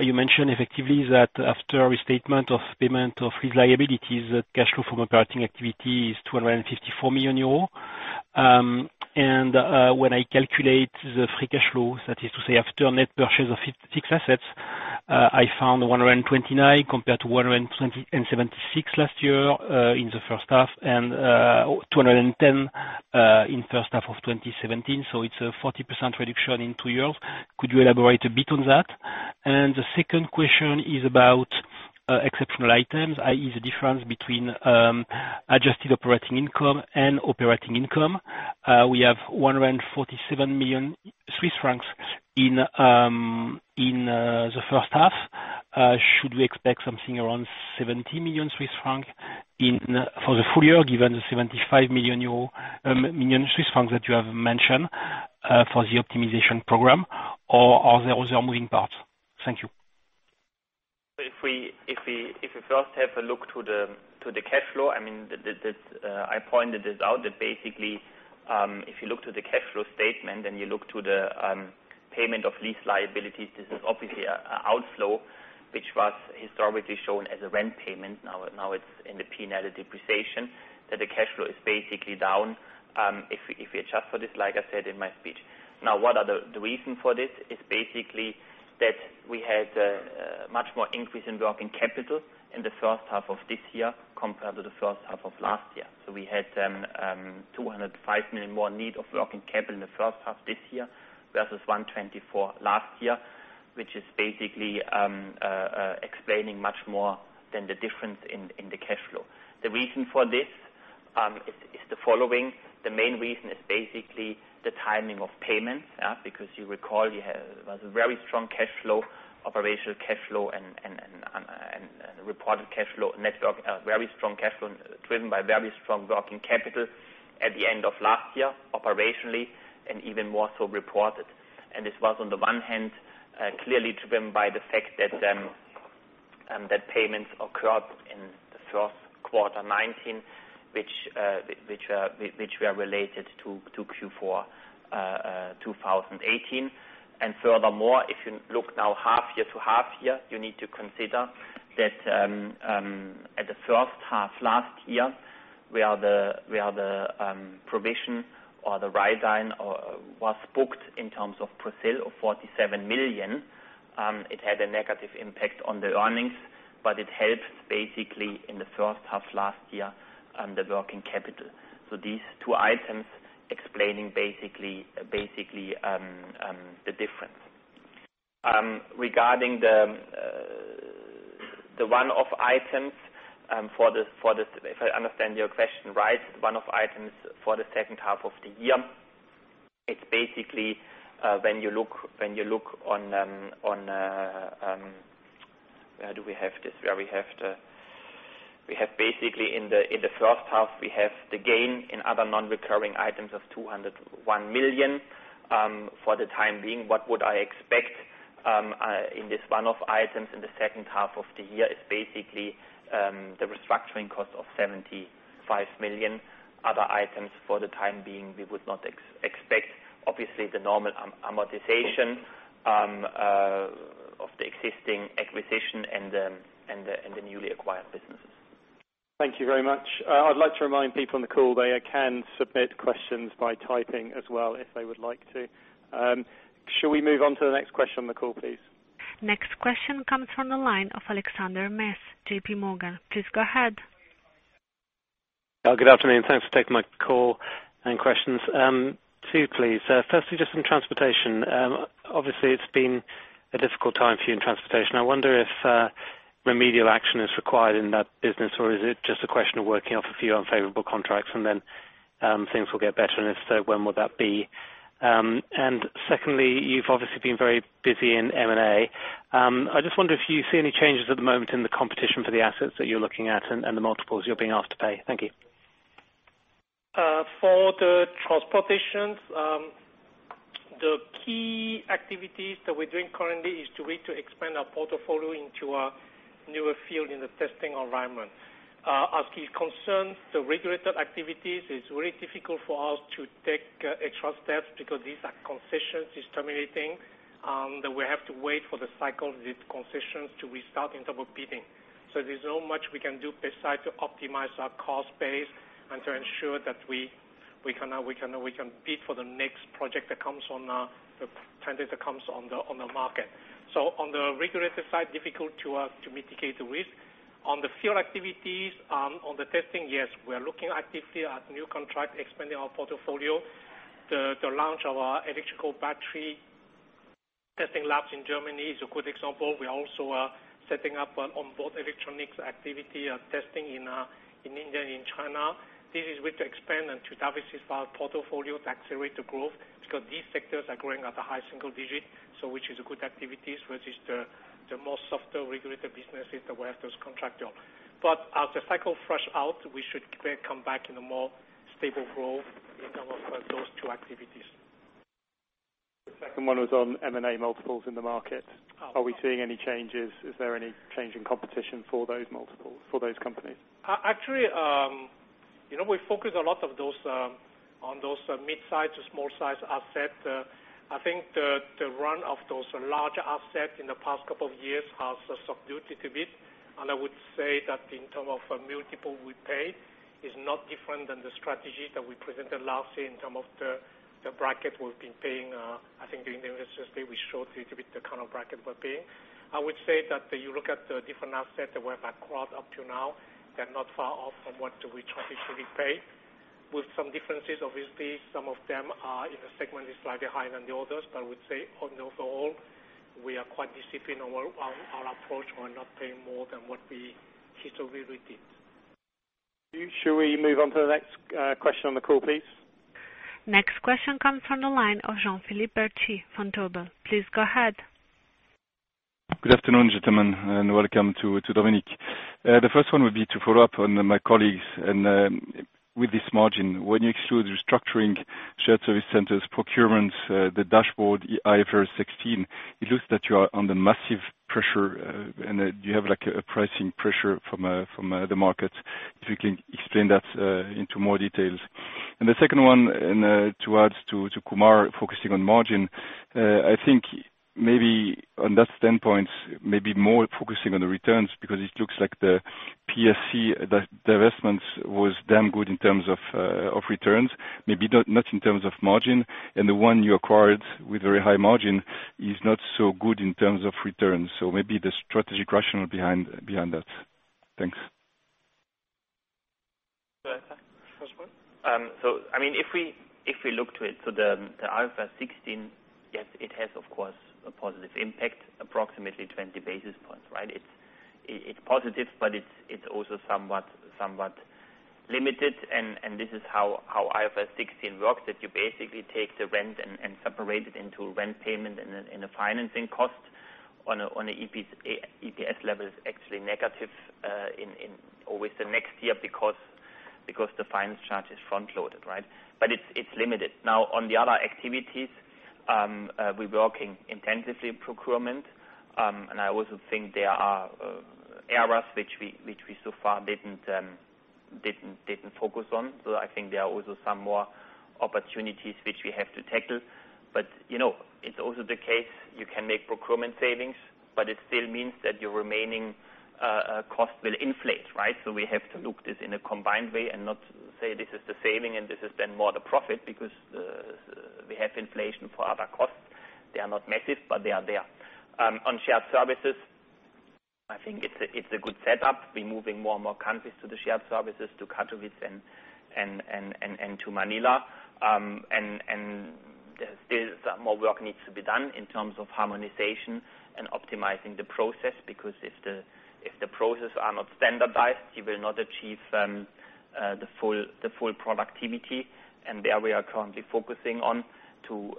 You mentioned effectively that after a settlement of payment of these liabilities, cash flow from operating activity is 254 million euros. When I calculate the free cash flow, that is to say after net purchase of six assets, I found 129 compared to 176 last year in the first half and 210 in first half of 2017, so it's a 40% reduction in two years. Could you elaborate a bit on that? The second question is about exceptional items, i.e., the difference between adjusted operating income and operating income. We have 147 million Swiss francs in the first half. Should we expect something around 70 million Swiss francs for the full year, given the 75 million Swiss francs that you have mentioned for the optimization program? Are there other moving parts? Thank you. If we first have a look to the cash flow, I pointed this out that basically, if you look to the cash flow statement and you look to the payment of lease liabilities, this is obviously an outflow, which was historically shown as a rent payment. Now it's in the P&L depreciation, that the cash flow is basically down if we adjust for this, like I said in my speech. What are the reason for this is basically that we had much more increase in working capital in the first half of this year compared to the first half of last year. We had 205 million more need of working capital in the first half this year versus 124 last year, which is basically explaining much more than the difference in the cash flow. The reason for this is the following. The main reason is basically the timing of payments, because you recall it was a very strong cash flow, operational cash flow, and reported cash flow, very strong cash flow driven by very strong working capital at the end of last year, operationally, and even more so reported. This was, on the one hand, clearly driven by the fact that payments occurred in the first quarter 2019, which were related to Q4 2018. Furthermore, if you look now half year to half year, you need to consider that at the first half last year, where the provision or the write-down was booked in terms of Brazil of 47 million. It had a negative impact on the earnings, but it helped basically in the first half last year on the working capital. These two items explaining basically the difference. Regarding the one-off items, if I understand your question right, one-off items for the second half of the year, it's basically when you look on Where do we have this? We have basically in the first half, we have the gain in other non-recurring items of 201 million. For the time being, what would I expect in this one-off items in the second half of the year is basically the restructuring cost of 75 million. Other items for the time being, we would not expect, obviously, the normal amortization of the existing acquisition and the newly acquired businesses. Thank you very much. I would like to remind people on the call they can submit questions by typing as well, if they would like to. Shall we move on to the next question on the call, please? Next question comes from the line of Alexander Mees, JPMorgan Please go ahead. Good afternoon. Thanks for taking my call and questions. Two, please. Firstly, just on transportation. Obviously, it's been a difficult time for you in transportation. I wonder if remedial action is required in that business, or is it just a question of working off a few unfavorable contracts and then things will get better, and if so, when will that be? Secondly, you've obviously been very busy in M&A. I just wonder if you see any changes at the moment in the competition for the assets that you're looking at and the multiples you're being asked to pay. Thank you. For the transportations, the key activities that we're doing currently is to wait to expand our portfolio into a newer field in the testing environment. As is concerned, the regulated activities is very difficult for us to take extra steps because these are concessions is terminating, and we have to wait for the cycle of these concessions to restart in terms of bidding. There's not much we can do besides to optimize our cost base and to ensure that we can bid for the next project that comes on the tender that comes on the market. On the regulated side, difficult to mitigate the risk. On the field activities, on the testing, yes, we are looking actively at new contract, expanding our portfolio. The launch of our electrical battery testing labs in Germany is a good example. We also are setting up an onboard electronics activity testing in India and in China. This is way to expand and to diversify our portfolio to accelerate the growth, because these sectors are growing at a high single-digit. Which is a good activities versus the more softer regulated businesses that we have those contract on. As the cycle flush out, we should come back in a more stable growth in terms of those two activities. The second one was on M&A multiples in the market. Are we seeing any changes? Is there any change in competition for those multiples, for those companies? We focus a lot on those mid-size to small-size asset. I think the run of those larger asset in the past couple of years has subdued it a bit. I would say that in terms of multiple we pay is not different than the strategy that we presented last year in terms of the bracket we've been paying. I think during the Investor Day, we showed a little bit the kind of bracket we're paying. I would say that you look at the different assets that we have acquired up to now, they're not far off from what we traditionally pay. With some differences, obviously. Some of them are in a segment is slightly higher than the others, but I would say on the overall, we are quite disciplined on our approach. We are not paying more than what we historically did. Should we move on to the next question on the call, please? Next question comes from the line of Jean-Philippe Bertschy from Vontobel. Please go ahead. Good afternoon, gentlemen, and welcome to Dominik. The first one would be to follow up on my colleagues and with this margin. When you exclude restructuring, shared service centers, procurement, the dashboard, IFRS 16, it looks that you are under massive pressure, and you have a pricing pressure from the market. If you can explain that into more details. The second one, to add to Chirag, focusing on margin. I think maybe on that standpoint, maybe more focusing on the returns, because it looks like the PSC divestments was damn good in terms of returns, maybe not in terms of margin, and the one you acquired with very high margin is not so good in terms of returns. Maybe the strategic rationale behind that. Thanks. Should I start, first one? If we look to it, the IFRS 16, yes, it has, of course, a positive impact, approximately 20 basis points, right? It's positive, but it's also somewhat limited, and this is how IFRS 16 works, that you basically take the rent and separate it into rent payment and a financing cost on a EPS level is actually negative in always the next year because the finance charge is front-loaded, right? But it's limited. Now, on the other activities, we're working intensively in procurement, and I also think there are areas which we so far didn't focus on. I think there are also some more opportunities which we have to tackle. It's also the case, you can make procurement savings, but it still means that your remaining cost will inflate, right? We have to look this in a combined way and not say this is the saving and this is then more the profit because we have inflation for other costs. They are not massive, but they are there. On shared services, I think it's a good setup. We're moving more and more countries to the shared services, to Katowice and to Manila. There's still some more work needs to be done in terms of harmonization and optimizing the process, because if the processes are not standardized, you will not achieve the full productivity. There we are currently focusing on to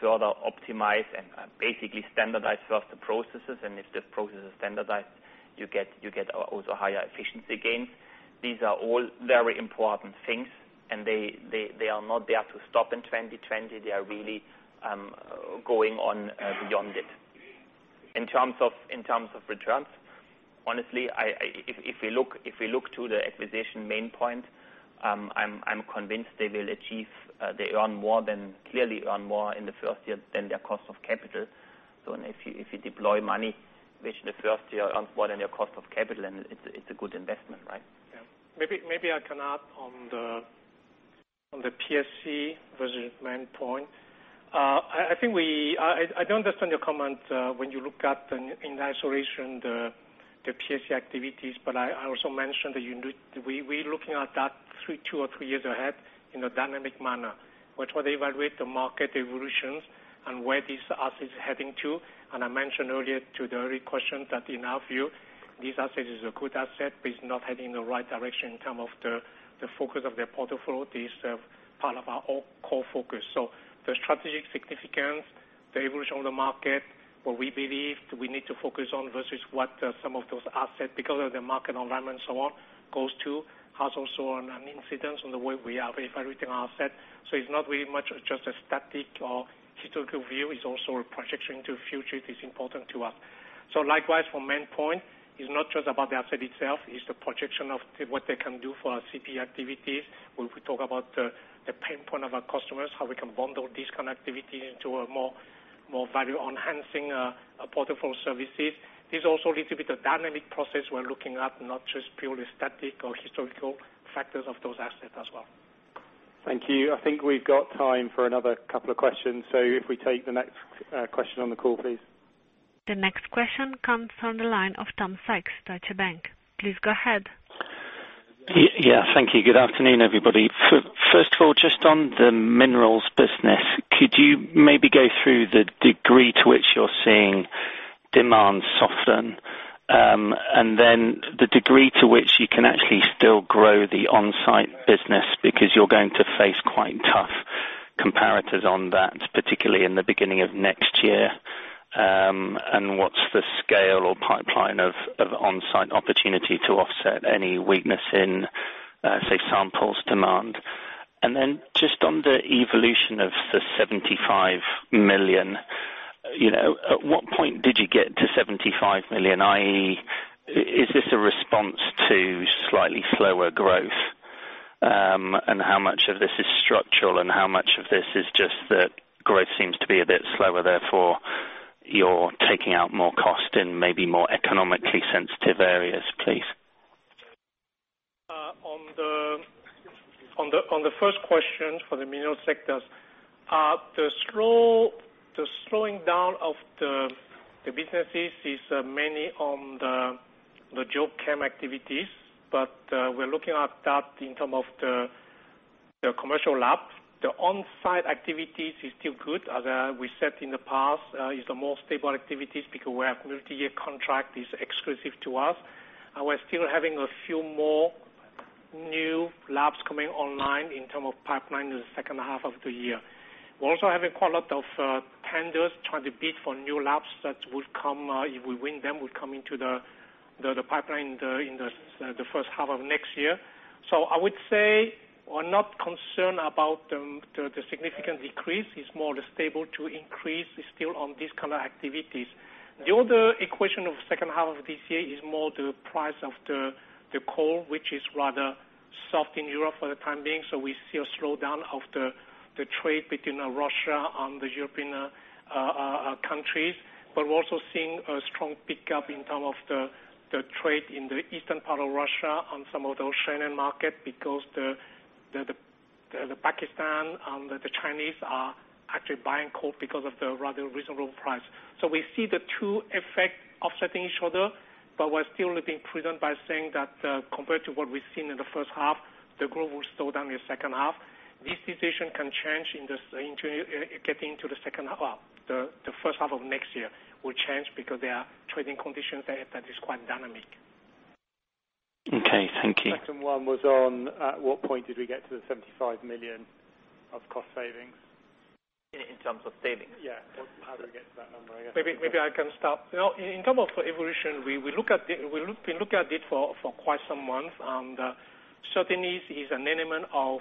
further optimize and basically standardize first the processes, and if the process is standardized, you get also higher efficiency gains. These are all very important things, and they are not there to stop in 2020. They are really going on beyond it. In terms of returns, honestly, if we look to the acquisition Maine Pointe, I'm convinced they earn more than clearly earn more in the first year than their cost of capital. If you deploy money, which in the first year earns more than your cost of capital, then it's a good investment, right? Yeah. Maybe I can add on the PSC versus Maine Pointe. I don't understand your comment when you look at in isolation the PSC activities, but I also mentioned that we're looking at that two or three years ahead in a dynamic manner, which will evaluate the market evolutions and where this asset is heading to. I mentioned earlier to the earlier question that in our view, this asset is a good asset, but it's not heading in the right direction in terms of the focus of the portfolio. This part of our core focus. The strategic significance, the evolution of the market, what we believe we need to focus on versus what some of those assets, because of the market alignment and so on, goes to, has also an incidence on the way we are evaluating our asset. It's not really much just a static or historical view, it's also a projection into future is important to us. Likewise for Maine Pointe, it's not just about the asset itself, it's the projection of what they can do for our CBE activities. When we talk about the pain point of our customers, how we can bundle these kind of activities into a more value enhancing portfolio services. This also a little bit a dynamic process we're looking at, not just purely static or historical factors of those assets as well. Thank you. I think we've got time for another couple of questions. If we take the next question on the call, please. The next question comes from the line of Tom Sykes, Deutsche Bank. Please go ahead. Yeah. Thank you. Good afternoon, everybody. First of all, just on the minerals business, could you maybe go through the degree to which you're seeing demand soften? The degree to which you can actually still grow the on-site business, because you're going to face quite tough comparators on that, particularly in the beginning of next year. What's the scale or pipeline of on-site opportunity to offset any weakness in, say, samples demand? Just on the evolution of the 75 million, at what point did you get to 75 million, i.e., is this a response to slightly slower growth? How much of this is structural, and how much of this is just that growth seems to be a bit slower, therefore you're taking out more cost in maybe more economically sensitive areas, please? On the first question for the mineral sectors, the slowing down of the businesses is mainly on the geochem activities. We're looking at that in terms of the commercial lab. The on-site activities is still good. As we said in the past, it's the more stable activities because we have multi-year contract is exclusive to us. We're still having a few more new labs coming online in terms of pipeline in the second half of the year. We're also having quite a lot of tenders trying to bid for new labs that if we win them, will come into the pipeline in the first half of next year. I would say we're not concerned about the significant decrease. It's more the stable to increase is still on these kind of activities. The other equation of second half of this year is more the price of the coal, which is rather soft in Europe for the time being. We see a slowdown of the trade between Russia and the European countries. We're also seeing a strong pickup in terms of the trade in the eastern part of Russia on some of those shipping market because the Pakistan and the Chinese are actually buying coal because of the rather reasonable price. We see the two effect offsetting each other, but we're still being prudent by saying that compared to what we've seen in the first half, the growth will slow down in the second half. This decision can change getting into the first half of next year. Will change because their trading conditions there, that is quite dynamic. Okay. Thank you. Second one was on at what point did we get to the 75 million of cost savings? In terms of savings? Yeah. How do we get to that number, I guess? Maybe I can start. In term of evolution, we've been looking at it for quite some months, and certainly is an element of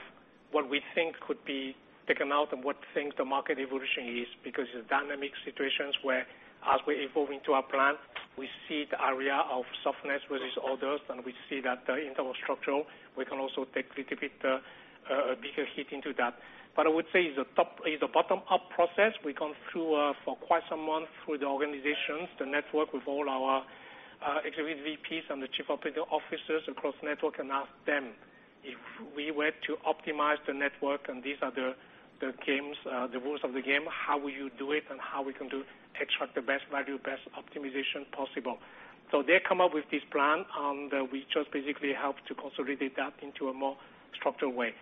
what we think could be taken out and what things the market evolution is, because the dynamic situations where as we evolve into our plan, we see the area of softness versus others, and we see that in term of structural, we can also take little bit bigger hit into that. I would say is a bottom-up process. We gone through for quite some month through the organizations, the network with all our executive VPs and the Chief Operating Officers across network and ask them, If we were to optimize the network and these are the rules of the game, how will you do it and how we can extract the best value, best optimization possible? They come up with this plan, and we just basically help to consolidate that into a more structured way.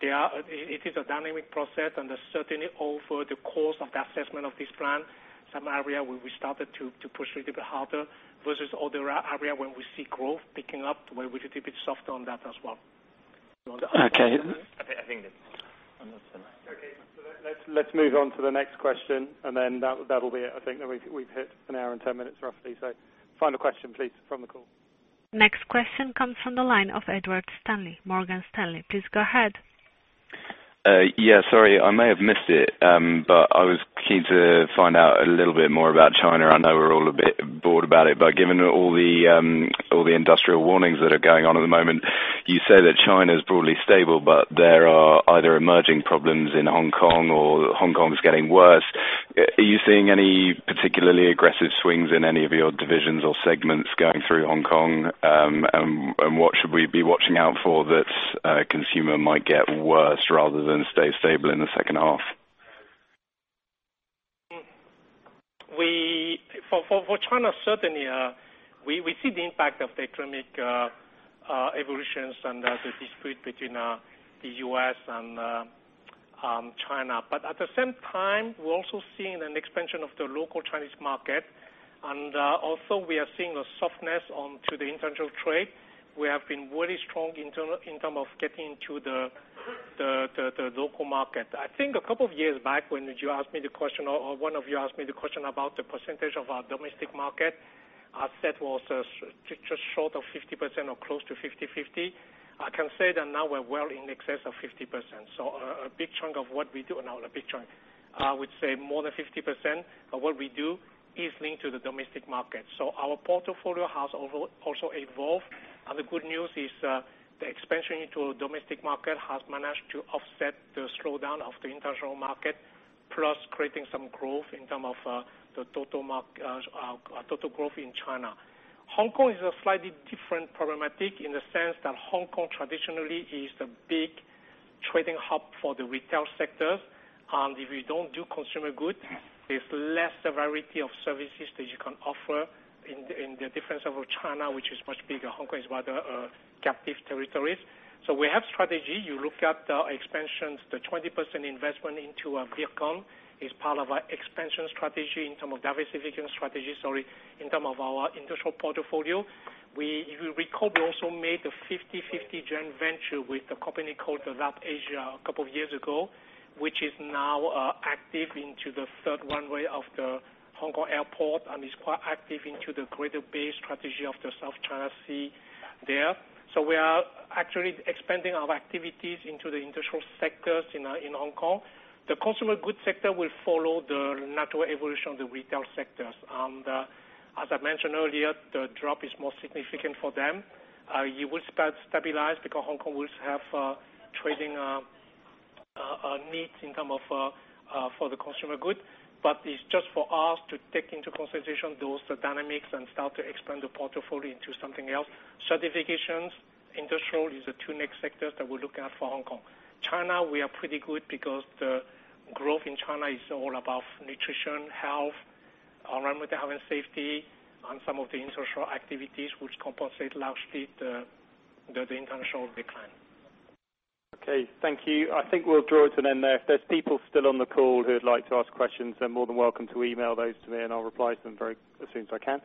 It is a dynamic process and certainly over the course of the assessment of this plan, some area where we started to push a little bit harder versus other area when we see growth picking up where we're a little bit softer on that as well. Okay. Okay. Let's move on to the next question, and then that'll be it. I think that we've hit an hour and 10 minutes roughly. Final question, please, from the call. Next question comes from the line of Edward Stanley, Morgan Stanley. Please go ahead. Sorry, I may have missed it. I was keen to find out a little bit more about China. I know we're all a bit bored about it, but given all the industrial warnings that are going on at the moment, you say that China is broadly stable, but there are either emerging problems in Hong Kong or Hong Kong is getting worse. Are you seeing any particularly aggressive swings in any of your divisions or segments going through Hong Kong? What should we be watching out for that consumer might get worse rather than stay stable in the second half? For China, certainly, we see the impact of the economic evolutions and the dispute between the U.S. and China. At the same time, we're also seeing an expansion of the local Chinese market. We are seeing a softness onto the international trade. We have been very strong in terms of getting to the local market. I think a couple of years back when you asked me the question, or one of you asked me the question about the percentage of our domestic market, I said was just short of 50% or close to 50/50. I can say that now we're well in excess of 50%. A big chunk of what we do, and not a big chunk, I would say more than 50% of what we do is linked to the domestic market. Our portfolio has also evolved. The good news is, the expansion into domestic market has managed to offset the slowdown of the international market, plus creating some growth in terms of the total growth in China. Hong Kong is a slightly different problematic in the sense that Hong Kong traditionally is the big trading hub for the retail sectors. If you don't do consumer goods, there's less variety of services that you can offer in the difference of China, which is much bigger. Hong Kong is rather a captive territory. We have strategy. You look at the expansions, the 20% investment into Vircon is part of our expansion strategy in terms of diversification strategy, sorry, in terms of our industrial portfolio. If you recall, we also made a 50/50 joint venture with a company called the RPS Asia a couple of years ago, which is now active into the third runway of the Hong Kong airport and is quite active into the Greater Bay strategy of the South China Sea there. We are actually expanding our activities into the industrial sectors in Hong Kong. The consumer goods sector will follow the natural evolution of the retail sectors. As I mentioned earlier, the drop is more significant for them. You will stabilize because Hong Kong will have trading needs in terms of for the consumer goods. It's just for us to take into consideration those dynamics and start to expand the portfolio into something else. Certifications, industrial is the two next sectors that we're looking at for Hong Kong. China, we are pretty good because the growth in China is all about nutrition, health, around with the health and safety, and some of the industrial activities which compensate largely the international decline. Okay, thank you. I think we'll draw it to an end there. If there's people still on the call who'd like to ask questions, they're more than welcome to email those to me, and I'll reply to them as soon as I can.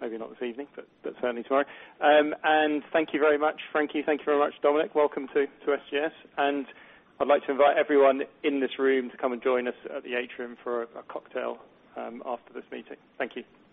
Maybe not this evening, but certainly tomorrow. Thank you very much, Frankie. Thank you very much, Dominik. Welcome to SGS. I'd like to invite everyone in this room to come and join us at the atrium for a cocktail after this meeting. Thank you.